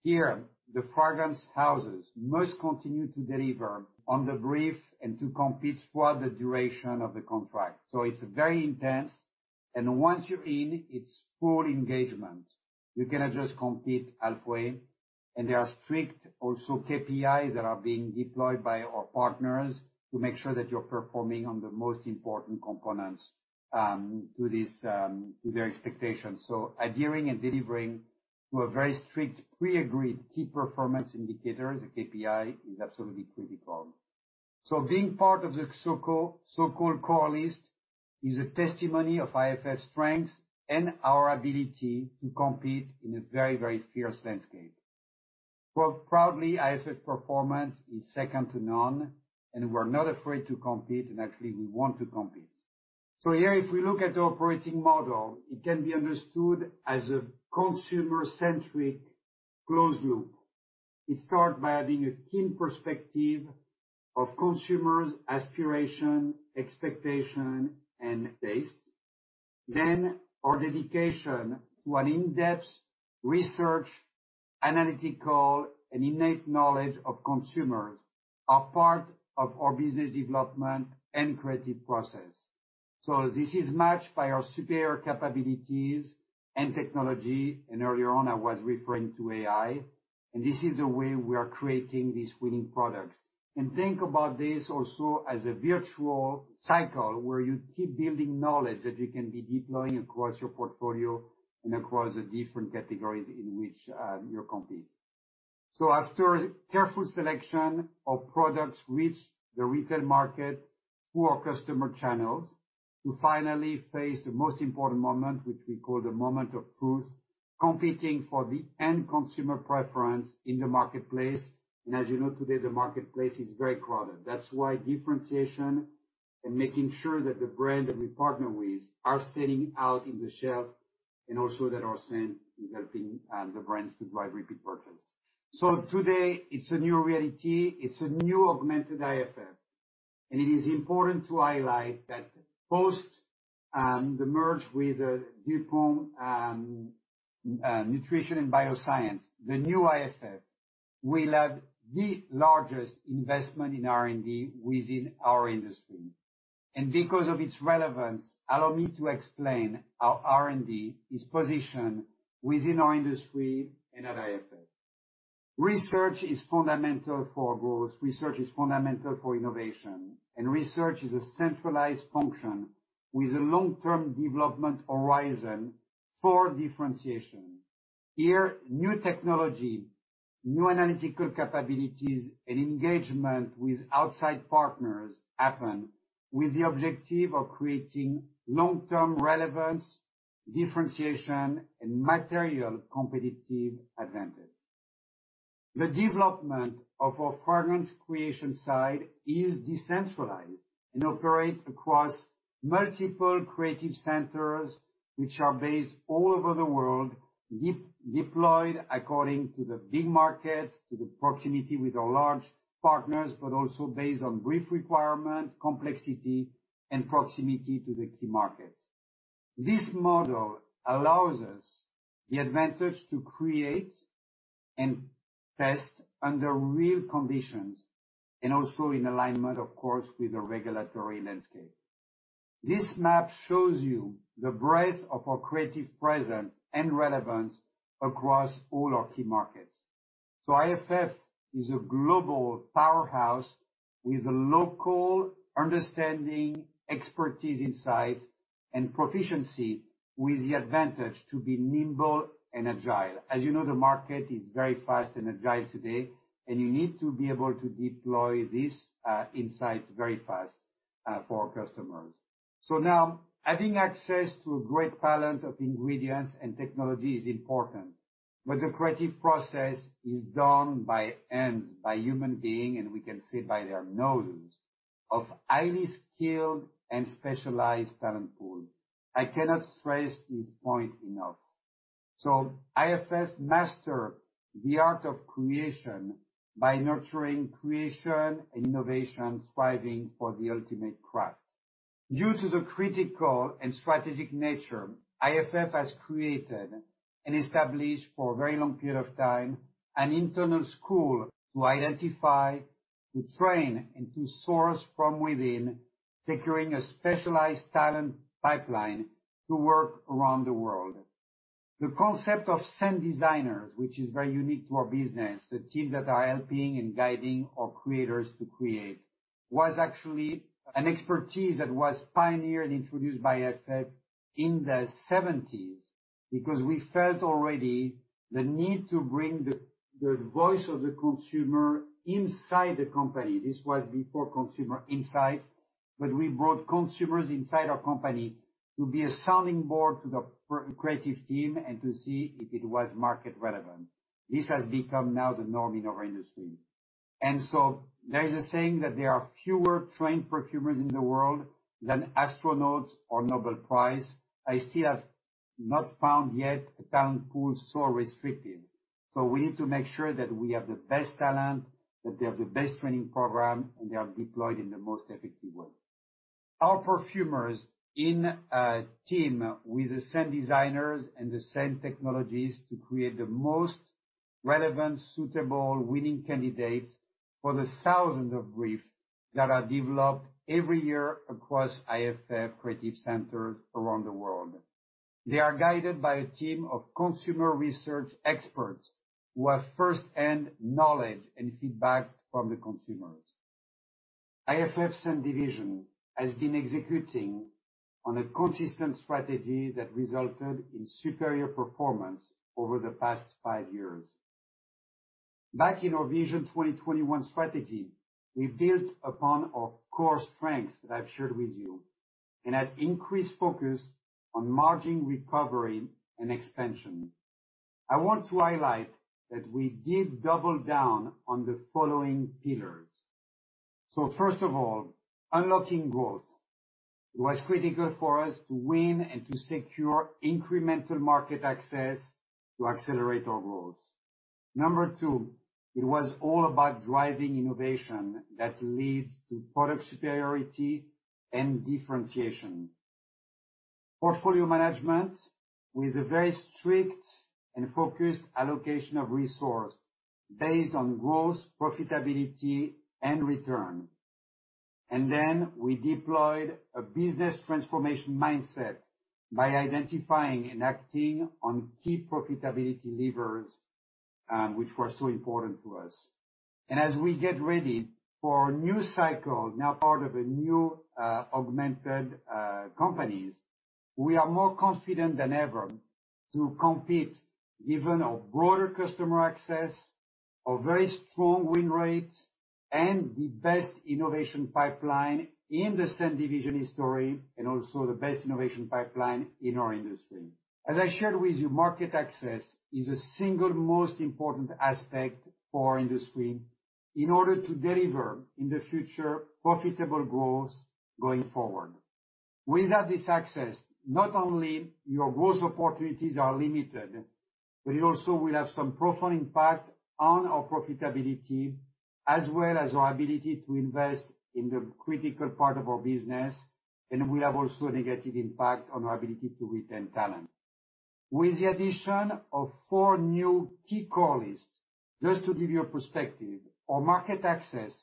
here, the fragrance houses must continue to deliver on the brief and to compete for the duration of the contract. It is very intense. Once you're in, it's full engagement. You cannot just compete halfway. There are strict also KPIs that are being deployed by our partners to make sure that you're performing on the most important components to their expectations. Adhering and delivering to a very strict pre-agreed key performance indicators, the KPI, is absolutely critical. Being part of the so-called core list is a testimony of IFF's strengths and our ability to compete in a very, very fierce landscape. Proudly, IFF's performance is second to none. We're not afraid to compete. Actually, we want to compete. Here, if we look at the operating model, it can be understood as a consumer-centric closed loop. It starts by having a keen perspective of consumers' aspiration, expectation, and taste. Then our dedication to an in-depth research, analytical, and innate knowledge of consumers are part of our business development and creative process. This is matched by our superior capabilities and technology. Earlier on, I was referring to AI. This is the way we are creating these winning products. Think about this also as a virtual cycle where you keep building knowledge that you can be deploying across your portfolio and across the different categories in which you compete. After careful selection, products reach the retail market through our customer channels to finally face the most important moment, which we call the moment of truth, competing for the end consumer preference in the marketplace. As you know, today, the marketplace is very crowded. That is why differentiation and making sure that the brand that we partner with are standing out in the shelf and also that our scent is helping the brands to drive repeat purchase. Today, it is a new reality. It is a new augmented IFF. It is important to highlight that post the merge with DuPont Nutrition & Biosciences, the new IFF will have the largest investment in R&D within our industry. Because of its relevance, allow me to explain how R&D is positioned within our industry and at IFF. Research is fundamental for growth. Research is fundamental for innovation. Research is a centralized function with a long-term development horizon for differentiation. Here, new technology, new analytical capabilities, and engagement with outside partners happen with the objective of creating long-term relevance, differentiation, and material competitive advantage. The development of our fragrance creation side is decentralized and operates across multiple creative centers, which are based all over the world, deployed according to the big markets, to the proximity with our large partners, but also based on brief requirement, complexity, and proximity to the key markets. This model allows us the advantage to create and test under real conditions and also in alignment, of course, with the regulatory landscape. This map shows you the breadth of our creative presence and relevance across all our key markets. IFF is a global powerhouse with a local understanding, expertise, insight, and proficiency with the advantage to be nimble and agile. As you know, the market is very fast and agile today. You need to be able to deploy these insights very fast for our customers. Now, having access to a great palette of ingredients and technology is important. The creative process is done by hands, by human beings, and we can say by their noses of highly skilled and specialized talent pool. I cannot stress this point enough. IFF masters the art of creation by nurturing creation and innovation striving for the ultimate craft. Due to the critical and strategic nature, IFF has created and established for a very long period of time an internal school to identify, to train, and to source from within, securing a specialized talent pipeline to work around the world. The concept of scent designers, which is very unique to our business, the team that are helping and guiding our creators to create, was actually an expertise that was pioneered and introduced by IFF in the 1970s because we felt already the need to bring the voice of the consumer inside the company. This was before consumer insight. We brought consumers inside our company to be a sounding board to the creative team and to see if it was market relevant. This has become now the norm in our industry. There is a saying that there are fewer trained perfumers in the world than astronauts or Nobel Prize. I still have not found yet a talent pool so restrictive. We need to make sure that we have the best talent, that they have the best training program, and they are deployed in the most effective way. Our perfumers in a team with the scent designers and the scent technologists create the most relevant, suitable, winning candidates for the thousands of briefs that are developed every year across IFF creative centers around the world. They are guided by a team of consumer research experts who have firsthand knowledge and feedback from the consumers. IFF scent division has been executing on a consistent strategy that resulted in superior performance over the past five years. Back in our Vision 2021 strategy, we built upon our core strengths that I've shared with you and had increased focus on margin, recovery, and expansion. I want to highlight that we did double down on the following pillars. First of all, unlocking growth. It was critical for us to win and to secure incremental market access to accelerate our growth. Number two, it was all about driving innovation that leads to product superiority and differentiation. Portfolio management with a very strict and focused allocation of resources based on growth, profitability, and return. We deployed a business transformation mindset by identifying and acting on key profitability levers which were so important to us. As we get ready for a new cycle, now part of a new augmented companies, we are more confident than ever to compete given our broader customer access, our very strong win rate, and the best innovation pipeline in the scent division history and also the best innovation pipeline in our industry. As I shared with you, market access is the single most important aspect for our industry in order to deliver in the future profitable growth going forward. Without this access, not only are your growth opportunities limited, but it also will have some profound impact on our profitability as well as our ability to invest in the critical part of our business. It will have also a negative impact on our ability to retain talent. With the addition of four new key core lists, just to give you a perspective, our market access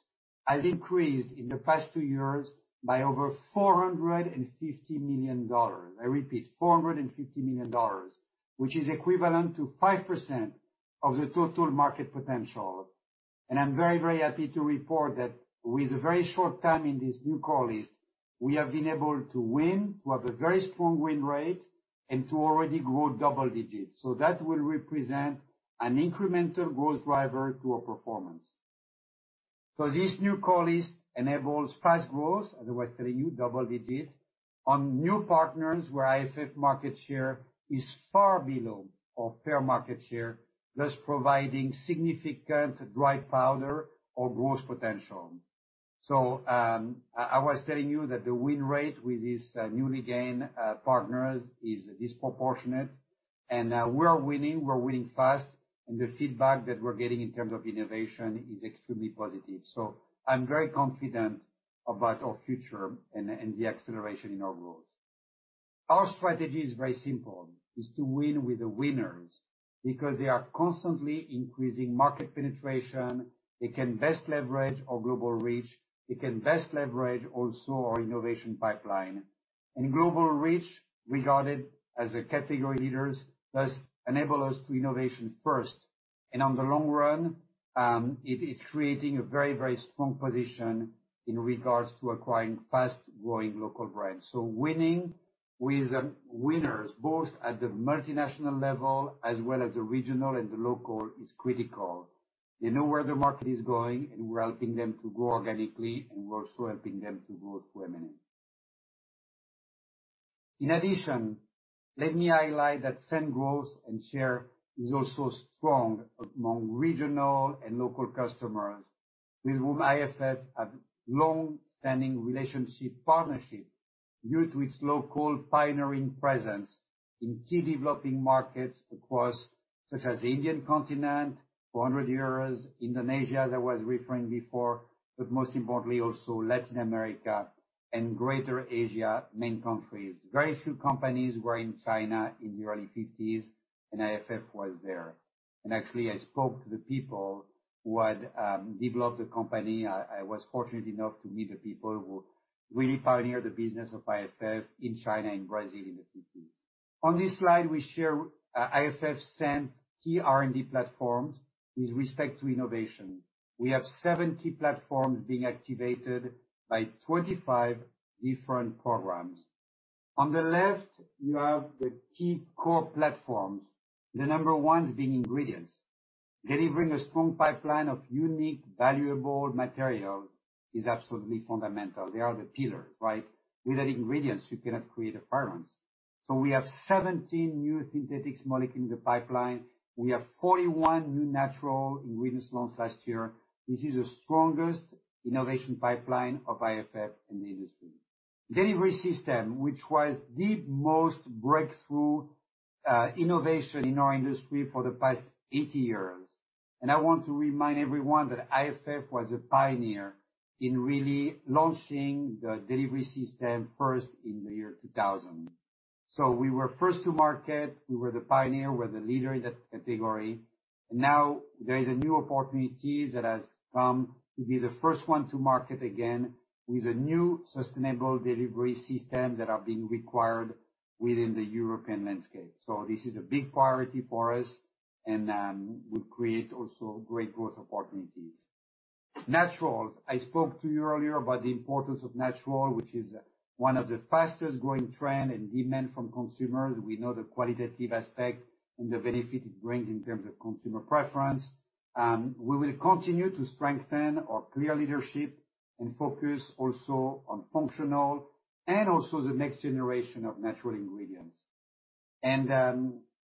has increased in the past two years by over $450 million. I repeat, $450 million, which is equivalent to 5% of the total market potential. I am very, very happy to report that with a very short time in this new core list, we have been able to win, to have a very strong win rate, and to already grow double digits. That will represent an incremental growth driver to our performance. This new core list enables fast growth, as I was telling you, double digits, on new partners where IFF market share is far below our fair market share, thus providing significant dry powder or growth potential. I was telling you that the win rate with these newly gained partners is disproportionate. We are winning. We are winning fast. The feedback that we're getting in terms of innovation is extremely positive. I'm very confident about our future and the acceleration in our growth. Our strategy is very simple. It's to win with the winners because they are constantly increasing market penetration. They can best leverage our global reach. They can best leverage also our innovation pipeline. Global reach, regarded as category leaders, thus enables us to innovate first. In the long run, it's creating a very, very strong position in regards to acquiring fast-growing local brands. Winning with winners, both at the multinational level as well as the regional and the local, is critical. They know where the market is going, and we're helping them to grow organically, and we're also helping them to grow permanently. In addition, let me highlight that scent growth and share is also strong among regional and local customers with whom IFF has long-standing relationship partnerships due to its local pioneering presence in key developing markets across such as the Indian continent, 400 years, Indonesia that I was referring before, but most importantly, also Latin America and Greater Asia main countries. Very few companies were in China in the early 1950s, and IFF was there. Actually, I spoke to the people who had developed the company. I was fortunate enough to meet the people who really pioneered the business of IFF in China and Brazil in the 1950s. On this slide, we share IFF scent key R&D platforms with respect to innovation. We have seven key platforms being activated by 25 different programs. On the left, you have the key core platforms. The number one is being ingredients. Delivering a strong pipeline of unique, valuable materials is absolutely fundamental. They are the pillars, right? Without ingredients, you cannot create a fragrance. We have 17 new synthetic molecules in the pipeline. We have 41 new natural ingredients launched last year. This is the strongest innovation pipeline of IFF in the industry. Delivery system, which was the most breakthrough innovation in our industry for the past 80 years. I want to remind everyone that IFF was a pioneer in really launching the delivery system first in the year 2000. We were first to market. We were the pioneer. We are the leader in that category. Now there is a new opportunity that has come to be the first one to market again with a new sustainable delivery system that has been required within the European landscape. This is a big priority for us and will create also great growth opportunities. Naturals. I spoke to you earlier about the importance of naturals, which is one of the fastest-growing trends in demand from consumers. We know the qualitative aspect and the benefit it brings in terms of consumer preference. We will continue to strengthen our clear leadership and focus also on functional and also the next generation of natural ingredients.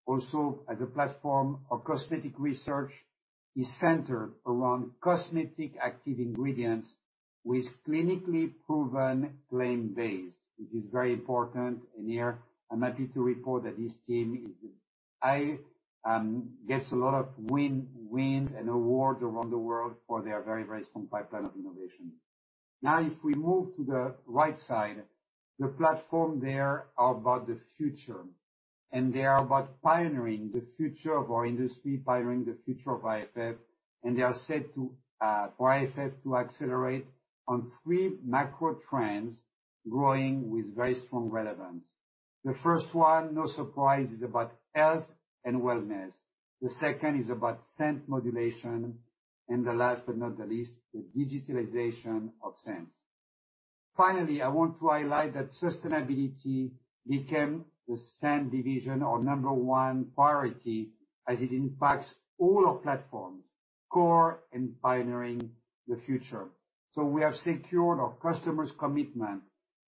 Also, as a platform, our cosmetic research is centered around cosmetic active ingredients with clinically proven claim-based, which is very important. Here, I'm happy to report that this team gets a lot of wins and awards around the world for their very, very strong pipeline of innovation. Now, if we move to the right side, the platform there are about the future. They are about pioneering the future of our industry, pioneering the future of IFF. They are set for IFF to accelerate on three macro trends growing with very strong relevance. The first one, no surprise, is about health and wellness. The second is about scent modulation. The last, but not the least, is the digitalization of scents. Finally, I want to highlight that sustainability became the scent division's number one priority as it impacts all our platforms, core and pioneering the future. We have secured our customers' commitment,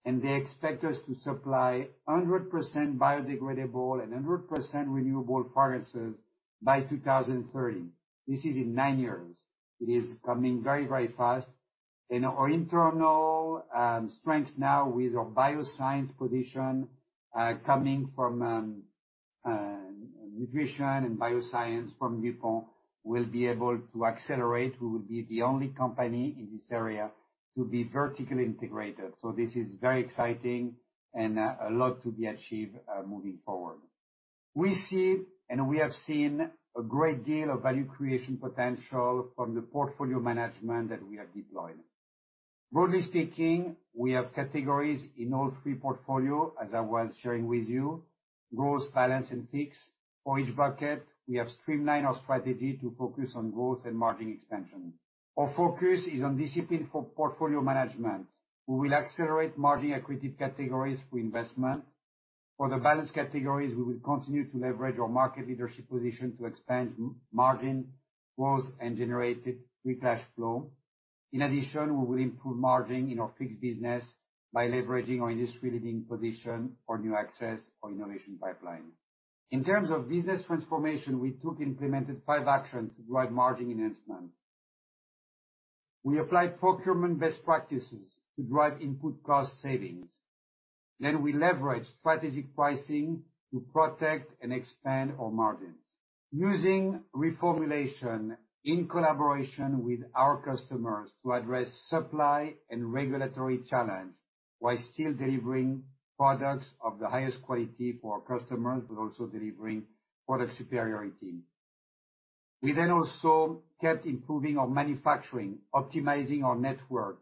and they expect us to supply 100% biodegradable and 100% renewable fragrances by 2030. This is in nine years. It is coming very, very fast. Our internal strength now with our bioscience position coming from nutrition and bioscience from DuPont will be able to accelerate. We will be the only company in this area to be vertically integrated. This is very exciting and a lot to be achieved moving forward. We see and we have seen a great deal of value creation potential from the portfolio management that we have deployed. Broadly speaking, we have categories in all three portfolios, as I was sharing with you, growth, balance, and fix. For each bucket, we have streamlined our strategy to focus on growth and margin expansion. Our focus is on discipline for portfolio management. We will accelerate margin equity categories for investment. For the balance categories, we will continue to leverage our market leadership position to expand margin, growth, and generate free cash flow. In addition, we will improve margin in our fix business by leveraging our industry-leading position for new access or innovation pipeline. In terms of business transformation, we took and implemented five actions to drive margin enhancement. We applied procurement best practices to drive input cost savings. We leveraged strategic pricing to protect and expand our margins. Using reformulation in collaboration with our customers to address supply and regulatory challenge while still delivering products of the highest quality for our customers, but also delivering product superiority. We also kept improving our manufacturing, optimizing our network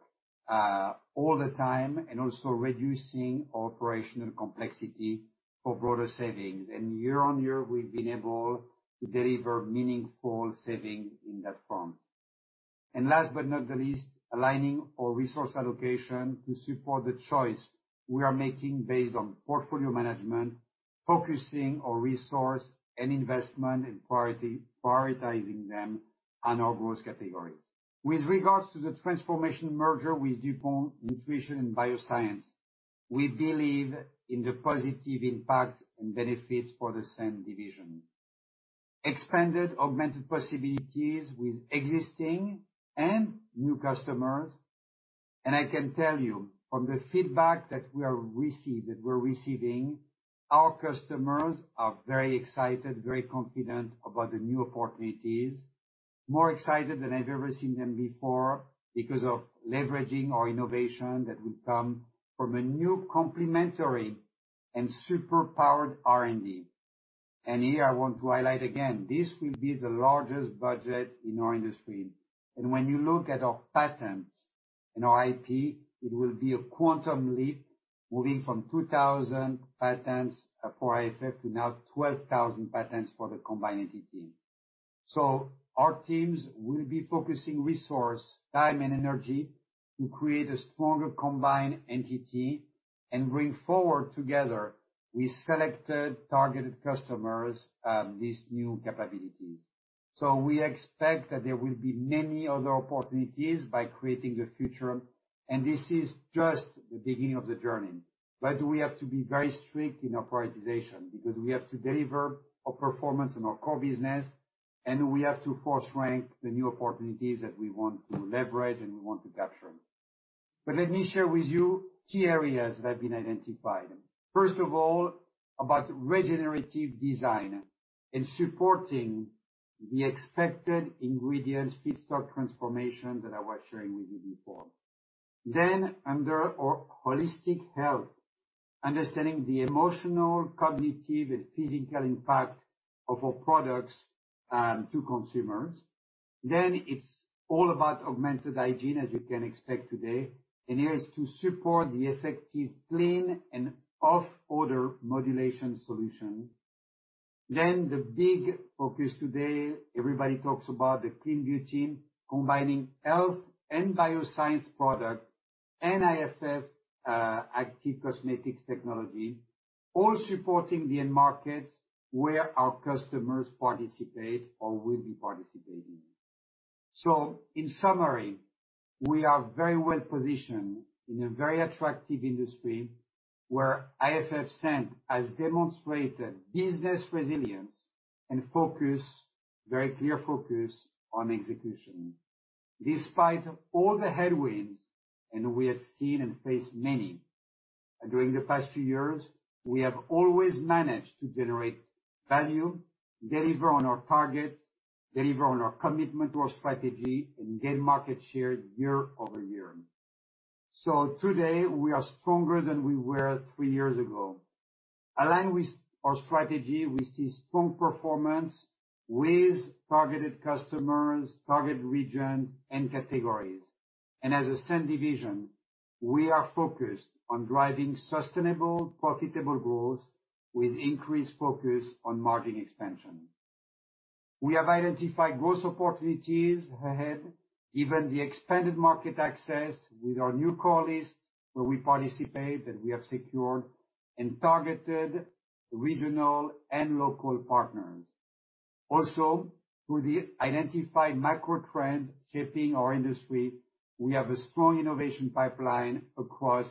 all the time, and also reducing our operational complexity for broader savings. Year on year, we've been able to deliver meaningful savings in that front. Last but not the least, aligning our resource allocation to support the choice we are making based on portfolio management, focusing our resource and investment and prioritizing them on our growth categories. With regards to the transformation merger with DuPont Nutrition & Biosciences, we believe in the positive impact and benefits for the scent division. Expanded augmented possibilities with existing and new customers. I can tell you from the feedback that we are receiving, our customers are very excited, very confident about the new opportunities, more excited than I've ever seen them before because of leveraging our innovation that will come from a new complementary and super-powered R&D. Here, I want to highlight again, this will be the largest budget in our industry. When you look at our patents and our IP, it will be a quantum leap moving from 2,000 patents for IFF to now 12,000 patents for the combined entity. Our teams will be focusing resource, time, and energy to create a stronger combined entity and bring forward together with selected targeted customers these new capabilities. We expect that there will be many other opportunities by creating the future. This is just the beginning of the journey. We have to be very strict in our prioritization because we have to deliver our performance in our core business, and we have to force rank the new opportunities that we want to leverage and we want to capture. Let me share with you key areas that have been identified. First of all, about regenerative design and supporting the expected ingredients feedstock transformation that I was sharing with you before. Under our holistic health, understanding the emotional, cognitive, and physical impact of our products to consumers. It is all about augmented hygiene, as you can expect today. Here is to support the effective clean and off-odor modulation solution. The big focus today, everybody talks about the clean beauty combining health and bioscience product and IFF active cosmetic technology, all supporting the end markets where our customers participate or will be participating. In summary, we are very well positioned in a very attractive industry where IFF scent has demonstrated business resilience and focus, very clear focus on execution. Despite all the headwinds and we have seen and faced many during the past few years, we have always managed to generate value, deliver on our targets, deliver on our commitment to our strategy, and get market share year over year. Today, we are stronger than we were three years ago. Aligned with our strategy, we see strong performance with targeted customers, target regions, and categories. As a scent division, we are focused on driving sustainable, profitable growth with increased focus on margin expansion. We have identified growth opportunities ahead, given the expanded market access with our new core list where we participate that we have secured and targeted regional and local partners. Also, through the identified macro trends shaping our industry, we have a strong innovation pipeline across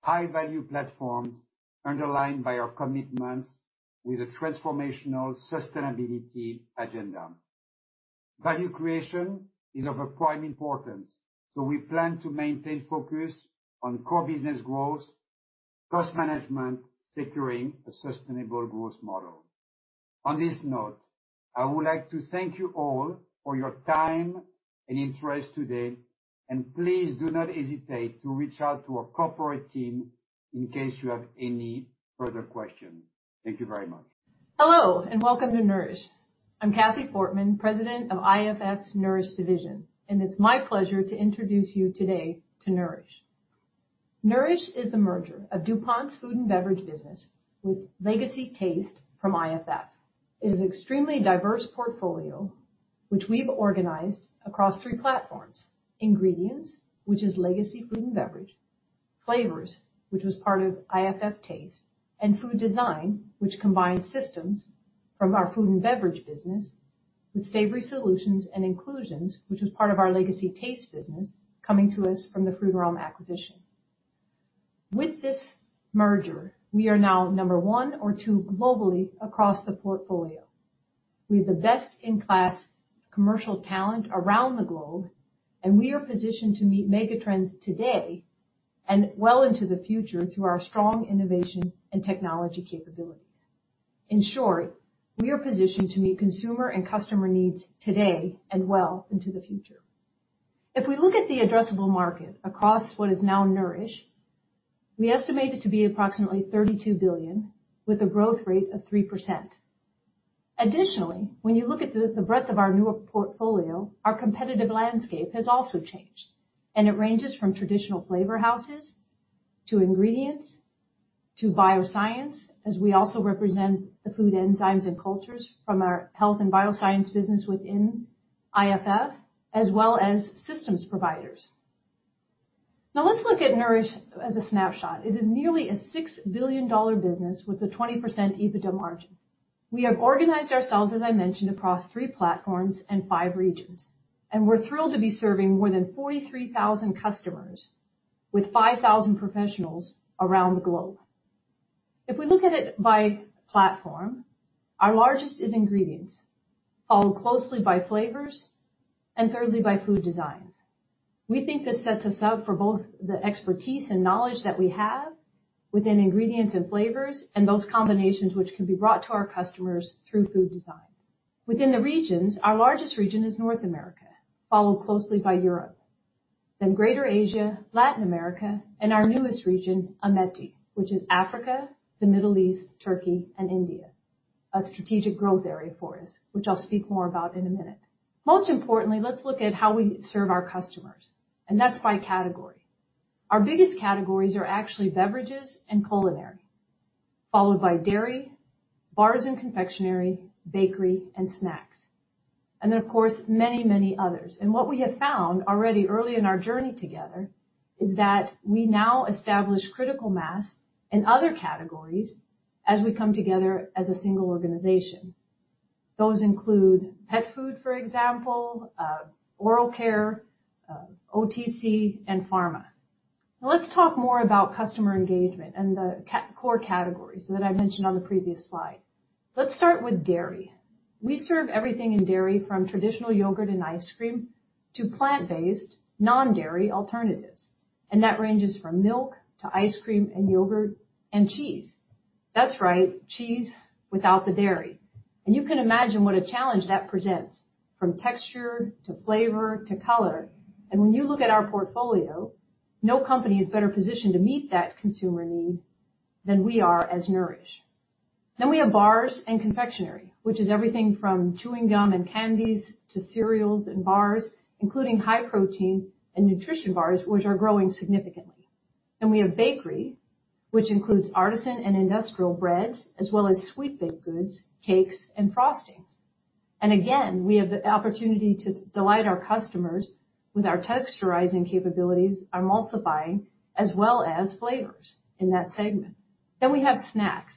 high-value platforms underlined by our commitments with a transformational sustainability agenda. Value creation is of a prime importance. We plan to maintain focus on core business growth, cost management, securing a sustainable growth model. On this note, I would like to thank you all for your time and interest today. Please do not hesitate to reach out to our corporate team in case you have any further questions. Thank you very much. Hello, and welcome to Nourish. I'm Kathy Fortmann, President of IFF's Nourish division. It's my pleasure to introduce you today to Nourish. Nourish is the merger of DuPont's food and beverage business with legacy Taste from IFF. It is an extremely diverse portfolio, which we've organized across three platforms: Ingredients, which is legacy food and beverage; Flavors, which was part of IFF Taste; and Food Design, which combines systems from our food and beverage business with savory solutions and inclusions, which was part of our legacy Taste business coming to us from the Frutarom acquisition. With this merger, we are now number one or two globally across the portfolio. We have the best-in-class commercial talent around the globe, and we are positioned to meet megatrends today and well into the future through our strong innovation and technology capabilities. In short, we are positioned to meet consumer and customer needs today and well into the future. If we look at the addressable market across what is now Nourish, we estimate it to be approximately $32 billion with a growth rate of 3%. Additionally, when you look at the breadth of our new portfolio, our competitive landscape has also changed. It ranges from traditional flavor houses to ingredients to bioscience, as we also represent the food enzymes and cultures from our health and bioscience business within IFF, as well as systems providers. Now, let's look at Nourish as a snapshot. It is nearly a $6 billion business with a 20% EBITDA margin. We have organized ourselves, as I mentioned, across three platforms and five regions. We are thrilled to be serving more than 43,000 customers with 5,000 professionals around the globe. If we look at it by platform, our largest is ingredients, followed closely by flavors and thirdly by food designs. We think this sets us up for both the expertise and knowledge that we have within ingredients and flavors and those combinations which can be brought to our customers through food designs. Within the regions, our largest region is North America, followed closely by Europe, then Greater Asia, Latin America, and our newest region, Ameti, which is Africa, the Middle East, Turkey, and India, a strategic growth area for us, which I'll speak more about in a minute. Most importantly, let's look at how we serve our customers. That is by category. Our biggest categories are actually beverages and culinary, followed by dairy, bars and confectionery, bakery, and snacks. Then, of course, many, many others. What we have found already early in our journey together is that we now establish critical mass and other categories as we come together as a single organization. Those include pet food, for example, oral care, OTC, and pharma. Now, let's talk more about customer engagement and the core categories that I mentioned on the previous slide. Let's start with dairy. We serve everything in dairy from traditional yogurt and ice cream to plant-based, non-dairy alternatives. That ranges from milk to ice cream and yogurt and cheese. That's right, cheese without the dairy. You can imagine what a challenge that presents from texture to flavor to color. When you look at our portfolio, no company is better positioned to meet that consumer need than we are as Nourish. We have bars and confectionery, which is everything from chewing gum and candies to cereals and bars, including high protein and nutrition bars, which are growing significantly. We have bakery, which includes artisan and industrial breads, as well as sweet baked goods, cakes, and frostings. We have the opportunity to delight our customers with our texturizing capabilities, emulsifying, as well as flavors in that segment. We have snacks.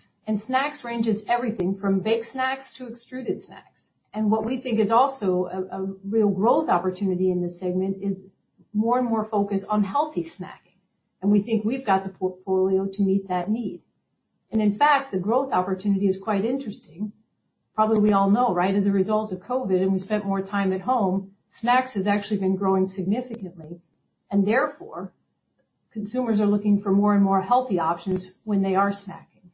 Snacks ranges everything from baked snacks to extruded snacks. What we think is also a real growth opportunity in this segment is more and more focus on healthy snacking. We think we've got the portfolio to meet that need. In fact, the growth opportunity is quite interesting. Probably we all know, right? As a result of COVID, and we spent more time at home, snacks has actually been growing significantly. Therefore, consumers are looking for more and more healthy options when they are snacking.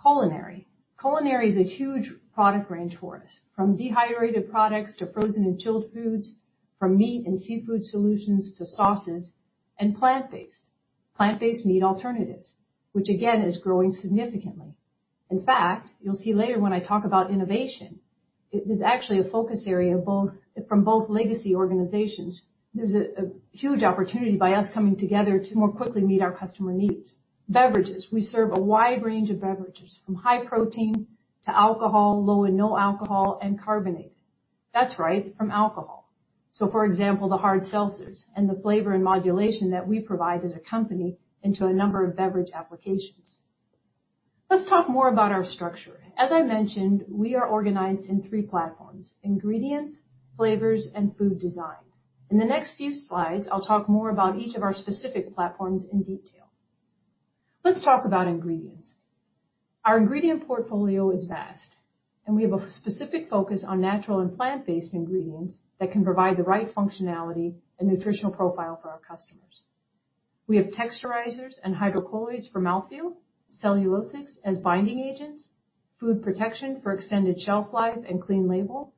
Culinary is a huge product range for us, from dehydrated products to frozen and chilled foods, from meat and seafood solutions to sauces, and plant-based, plant-based meat alternatives, which again is growing significantly. In fact, you'll see later when I talk about innovation, it is actually a focus area from both legacy organizations. There's a huge opportunity by us coming together to more quickly meet our customer needs. Beverages. We serve a wide range of beverages from high protein to alcohol, low and no alcohol, and carbonated. That's right, from alcohol. For example, the hard seltzers and the flavor and modulation that we provide as a company into a number of beverage applications. Let's talk more about our structure. As I mentioned, we are organized in three platforms: Ingredients, Flavors, and Food Designs. In the next few slides, I'll talk more about each of our specific platforms in detail. Let's talk about ingredients. Our ingredient portfolio is vast, and we have a specific focus on natural and plant-based ingredients that can provide the right functionality and nutritional profile for our customers. We have texturizers and hydrocolloids for mouthfeel, cellulosics as binding agents, food protection for extended shelf life and clean label,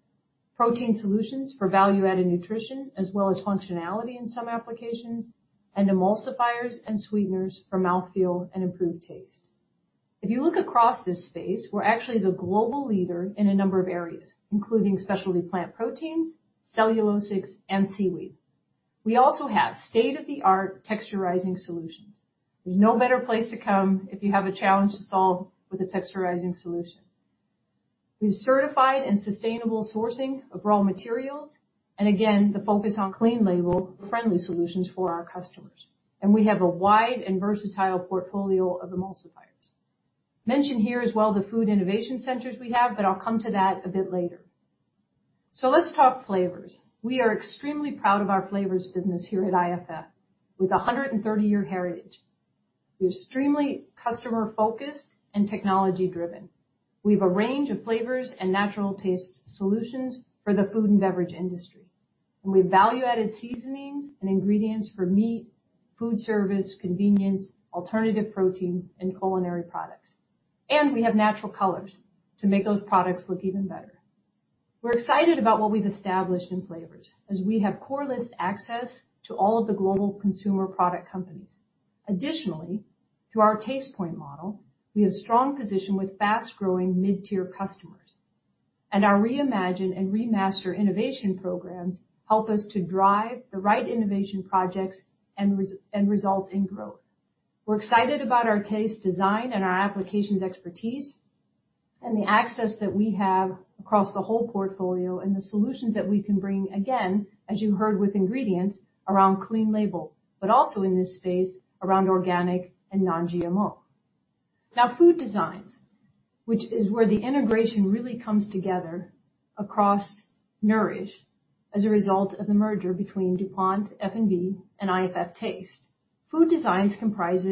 protein solutions for value-added nutrition, as well as functionality in some applications, and emulsifiers and sweeteners for mouthfeel and improved taste. If you look across this space, we're actually the global leader in a number of areas, including specialty plant proteins, cellulosics, and seaweed. We also have state-of-the-art texturizing solutions. There is no better place to come if you have a challenge to solve with a texturizing solution. We have certified and sustainable sourcing of raw materials, and again, the focus on clean label-friendly solutions for our customers. We have a wide and versatile portfolio of emulsifiers. Mentioned here as well the food innovation centers we have, but I'll come to that a bit later. Let's talk flavors. We are extremely proud of our flavors business here at IFF with a 130-year heritage. We are extremely customer-focused and technology-driven. We have a range of flavors and natural taste solutions for the food and beverage industry. We have value-added seasonings and ingredients for meat, food service, convenience, alternative proteins, and culinary products. We have natural colors to make those products look even better. We're excited about what we've established in flavors, as we have core list access to all of the global consumer product companies. Additionally, through our Tastepoint model, we have a strong position with fast-growing mid-tier customers. Our reimagined and remastered innovation programs help us to drive the right innovation projects and result in growth. We're excited about our taste design and our applications expertise and the access that we have across the whole portfolio and the solutions that we can bring, again, as you heard with ingredients around clean label, but also in this space around organic and non-GMO. Now, food designs, which is where the integration really comes together across Nourish as a result of the merger between DuPont, F&B, and IFF Taste. Food designs comprise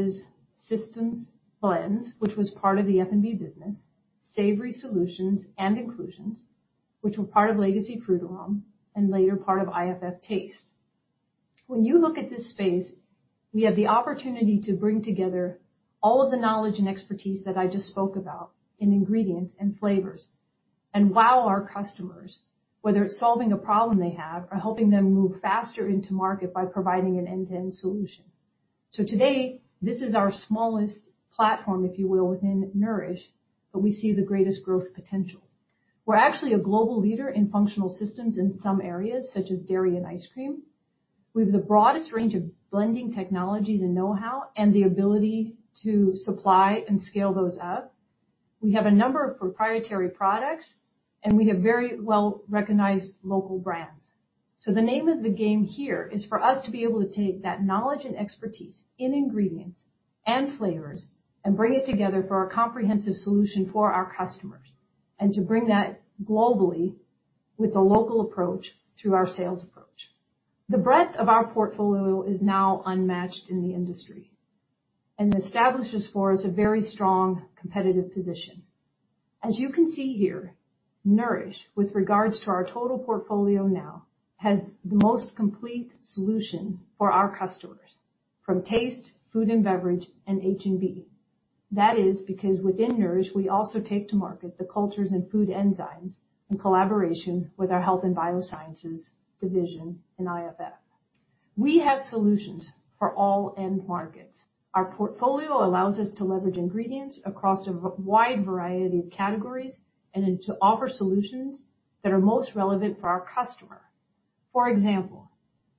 systems blends, which was part of the F&B business, savory solutions and inclusions, which were part of legacy food realm and later part of IFF Taste. When you look at this space, we have the opportunity to bring together all of the knowledge and expertise that I just spoke about in ingredients and flavors. And wow, our customers, whether it's solving a problem they have or helping them move faster into market by providing an end-to-end solution. Today, this is our smallest platform, if you will, within Nourish, but we see the greatest growth potential. We're actually a global leader in functional systems in some areas, such as dairy and ice cream. We have the broadest range of blending technologies and know-how and the ability to supply and scale those up. We have a number of proprietary products, and we have very well-recognized local brands. The name of the game here is for us to be able to take that knowledge and expertise in ingredients and flavors and bring it together for our comprehensive solution for our customers and to bring that globally with a local approach through our sales approach. The breadth of our portfolio is now unmatched in the industry and establishes for us a very strong competitive position. As you can see here, Nourish, with regards to our total portfolio now, has the most complete solution for our customers from taste, food and beverage, and H&B. That is because within Nourish, we also take to market the cultures and food enzymes in collaboration with our Health and Biosciences division in IFF. We have solutions for all end markets. Our portfolio allows us to leverage ingredients across a wide variety of categories and to offer solutions that are most relevant for our customer. For example,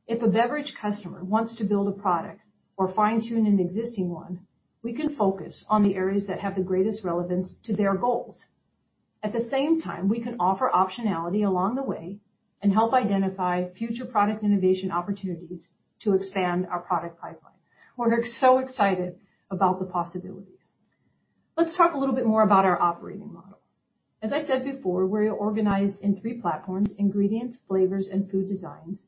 if a beverage customer wants to build a product or fine-tune an existing one, we can focus on the areas that have the greatest relevance to their goals. At the same time, we can offer optionality along the way and help identify future product innovation opportunities to expand our product pipeline. We're so excited about the possibilities. Let's talk a little bit more about our operating model. As I said before, we're organized in three platforms: Ingredients, Flavors, and Food Designs,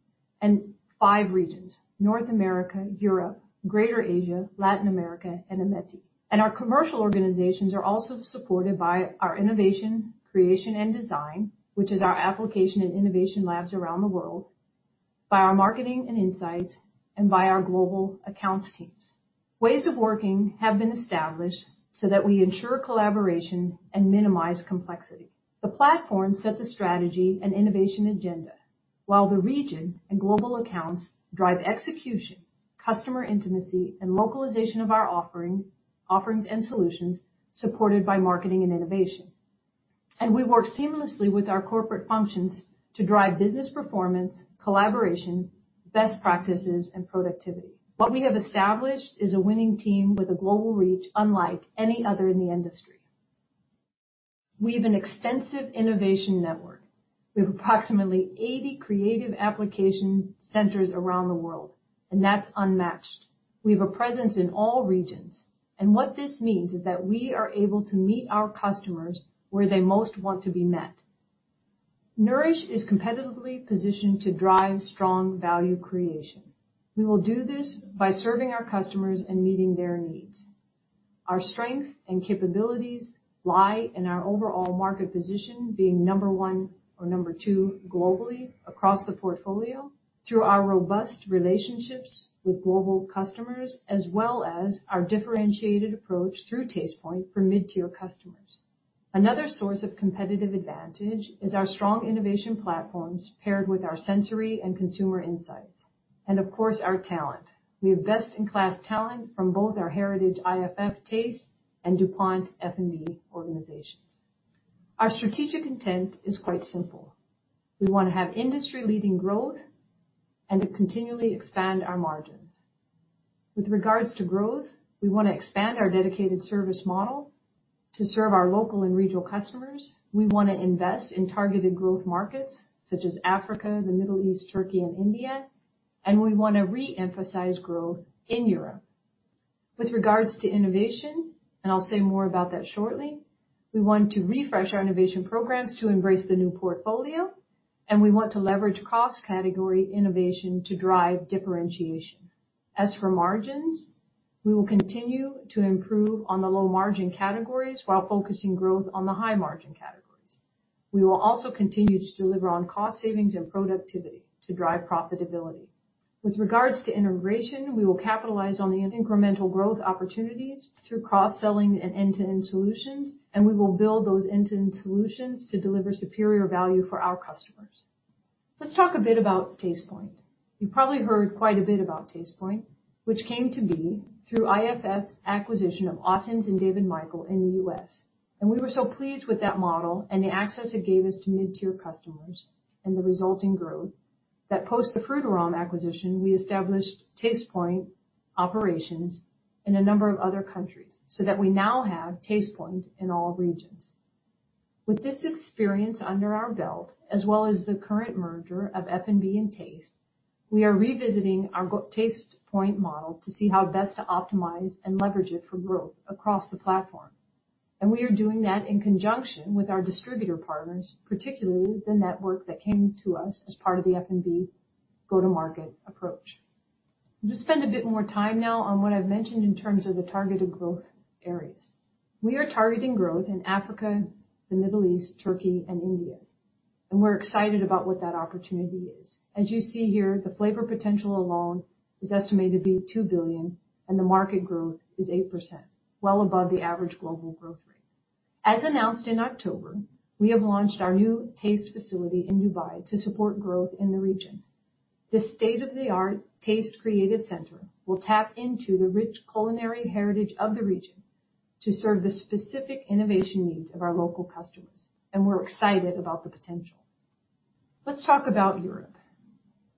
and five regions: North America, Europe, Greater Asia, Latin America, and Ameti. Our commercial organizations are also supported by our innovation, creation, and design, which is our application and innovation labs around the world, by our marketing and insights, and by our global accounts teams. Ways of working have been established so that we ensure collaboration and minimize complexity. The platforms set the strategy and innovation agenda, while the region and global accounts drive execution, customer intimacy, and localization of our offerings and solutions supported by marketing and innovation. We work seamlessly with our corporate functions to drive business performance, collaboration, best practices, and productivity. What we have established is a winning team with a global reach unlike any other in the industry. We have an extensive innovation network. We have approximately 80 creative application centers around the world, and that's unmatched. We have a presence in all regions. What this means is that we are able to meet our customers where they most want to be met. Nourish is competitively positioned to drive strong value creation. We will do this by serving our customers and meeting their needs. Our strengths and capabilities lie in our overall market position being number one or number two globally across the portfolio through our robust relationships with global customers, as well as our differentiated approach through Tastepoint for mid-tier customers. Another source of competitive advantage is our strong innovation platforms paired with our sensory and consumer insights. Of course, our talent. We have best-in-class talent from both our heritage IFF Taste and DuPont F&B organizations. Our strategic intent is quite simple. We want to have industry-leading growth and to continually expand our margins. With regards to growth, we want to expand our dedicated service model to serve our local and regional customers. We want to invest in targeted growth markets such as Africa, the Middle East, Turkey, and India. We want to re-emphasize growth in Europe. With regards to innovation, and I'll say more about that shortly, we want to refresh our innovation programs to embrace the new portfolio. We want to leverage cost category innovation to drive differentiation. As for margins, we will continue to improve on the low-margin categories while focusing growth on the high-margin categories. We will also continue to deliver on cost savings and productivity to drive profitability. With regards to integration, we will capitalize on the incremental growth opportunities through cross-selling and end-to-end solutions. We will build those end-to-end solutions to deliver superior value for our customers. Let's talk a bit about Tastepoint. You've probably heard quite a bit about Tastepoint, which came to be through IFF's acquisition of Ottens and David Michael in the U.S. We were so pleased with that model and the access it gave us to mid-tier customers and the resulting growth that post the Frutarom acquisition, we established Tastepoint operations in a number of other countries so that we now have Tastepoint in all regions. With this experience under our belt, as well as the current merger of F&B and Taste, we are revisiting our Tastepoint model to see how best to optimize and leverage it for growth across the platform. We are doing that in conjunction with our distributor partners, particularly the network that came to us as part of the F&B go-to-market approach. I'm going to spend a bit more time now on what I've mentioned in terms of the targeted growth areas. We are targeting growth in Africa, the Middle East, Turkey, and India. We're excited about what that opportunity is. As you see here, the flavor potential alone is estimated to be $2 billion, and the market growth is 8%, well above the average global growth rate. As announced in October, we have launched our new taste facility in Dubai to support growth in the region. This state-of-the-art taste creative center will tap into the rich culinary heritage of the region to serve the specific innovation needs of our local customers. We're excited about the potential. Let's talk about Europe.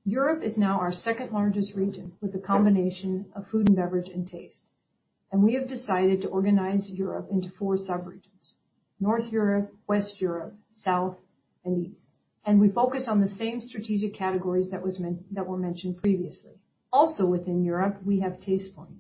Europe is now our second-largest region with a combination of food and beverage and taste. We have decided to organize Europe into four sub-regions: North Europe, West Europe, South, and East. We focus on the same strategic categories that were mentioned previously. Also within Europe, we have Tastepoint.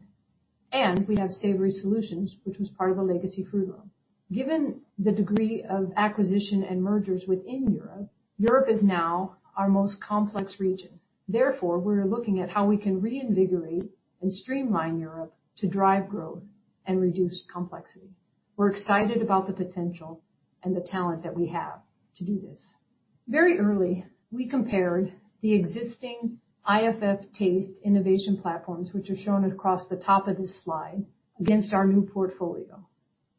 We have Savory Solutions, which was part of the legacy Frutarom. Given the degree of acquisition and mergers within Europe, Europe is now our most complex region. Therefore, we are looking at how we can reinvigorate and streamline Europe to drive growth and reduce complexity. We are excited about the potential and the talent that we have to do this. Very early, we compared the existing IFF Taste innovation platforms, which are shown across the top of this slide, against our new portfolio,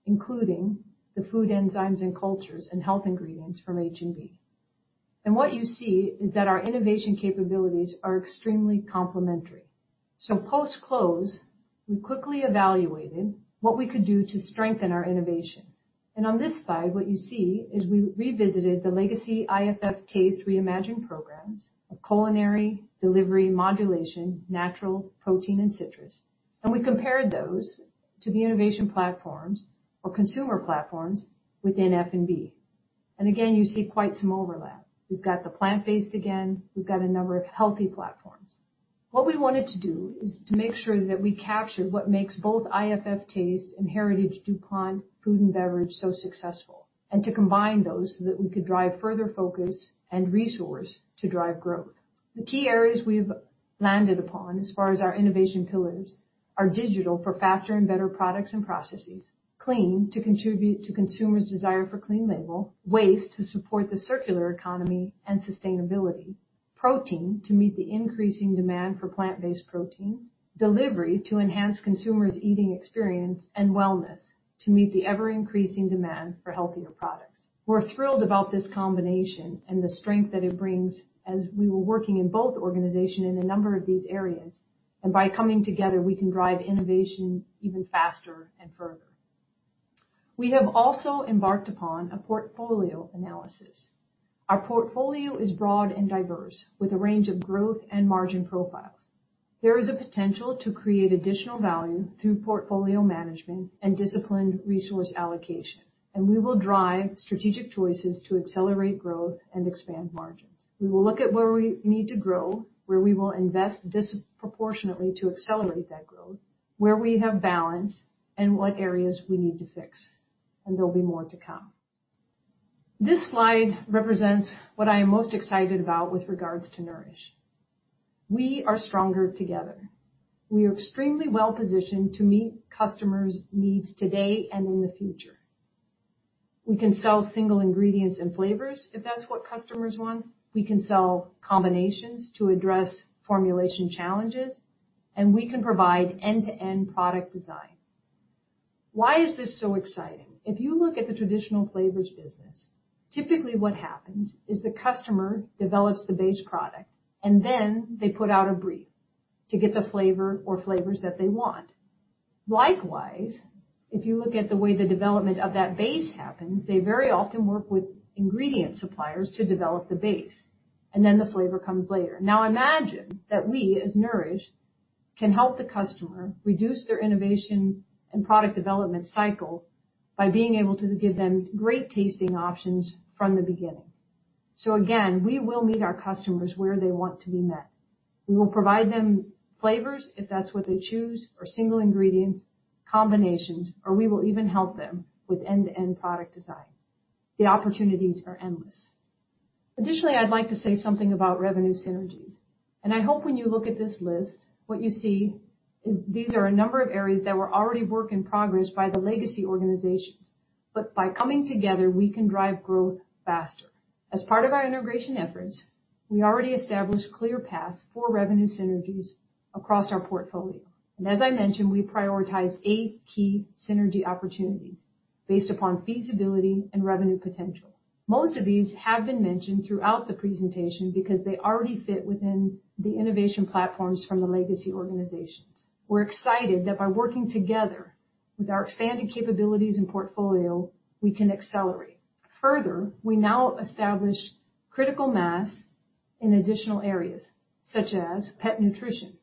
including the food enzymes and cultures and health ingredients from H&B. What you see is that our innovation capabilities are extremely complementary. Post-close, we quickly evaluated what we could do to strengthen our innovation. On this slide, what you see is we revisited the legacy IFF Taste reimagined programs of culinary, delivery, modulation, natural, protein, and citrus. We compared those to the innovation platforms or consumer platforms within F&B. Again, you see quite some overlap. We've got the plant-based again. We've got a number of healthy platforms. What we wanted to do is to make sure that we captured what makes both IFF Taste and heritage DuPont food and beverage so successful, and to combine those so that we could drive further focus and resource to drive growth. The key areas we've landed upon as far as our innovation pillars are digital for faster and better products and processes, clean to contribute to consumers' desire for clean label, waste to support the circular economy and sustainability, protein to meet the increasing demand for plant-based proteins, delivery to enhance consumers' eating experience, and wellness to meet the ever-increasing demand for healthier products. We're thrilled about this combination and the strength that it brings as we were working in both organizations in a number of these areas. By coming together, we can drive innovation even faster and further. We have also embarked upon a portfolio analysis. Our portfolio is broad and diverse with a range of growth and margin profiles. There is a potential to create additional value through portfolio management and disciplined resource allocation. We will drive strategic choices to accelerate growth and expand margins. We will look at where we need to grow, where we will invest disproportionately to accelerate that growth, where we have balance, and what areas we need to fix. There will be more to come. This slide represents what I am most excited about with regards to Nourish. We are stronger together. We are extremely well-positioned to meet customers' needs today and in the future. We can sell single ingredients and flavors if that's what customers want. We can sell combinations to address formulation challenges. We can provide end-to-end product design. Why is this so exciting? If you look at the traditional flavors business, typically what happens is the customer develops the base product, and then they put out a brief to get the flavor or flavors that they want. Likewise, if you look at the way the development of that base happens, they very often work with ingredient suppliers to develop the base, and then the flavor comes later. Now, imagine that we as Nourish can help the customer reduce their innovation and product development cycle by being able to give them great tasting options from the beginning. Again, we will meet our customers where they want to be met. We will provide them flavors if that's what they choose, or single ingredients, combinations, or we will even help them with end-to-end product design. The opportunities are endless. Additionally, I'd like to say something about revenue synergies. I hope when you look at this list, what you see is these are a number of areas that were already work in progress by the legacy organizations. By coming together, we can drive growth faster. As part of our integration efforts, we already established clear paths for revenue synergies across our portfolio. As I mentioned, we prioritize eight key synergy opportunities based upon feasibility and revenue potential. Most of these have been mentioned throughout the presentation because they already fit within the innovation platforms from the legacy organizations. We are excited that by working together with our expanded capabilities and portfolio, we can accelerate. Further, we now establish critical mass in additional areas such as pet nutrition.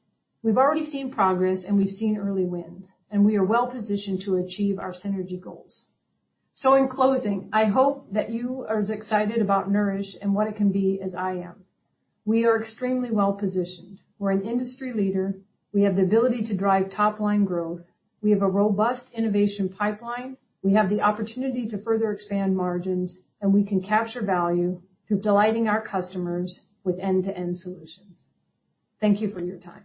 We have already seen progress, and we have seen early wins. We are well-positioned to achieve our synergy goals. In closing, I hope that you are as excited about Nourish and what it can be as I am. We are extremely well-positioned. We are an industry leader. We have the ability to drive top-line growth. We have a robust innovation pipeline. We have the opportunity to further expand margins, and we can capture value through delighting our customers with end-to-end solutions. Thank you for your time.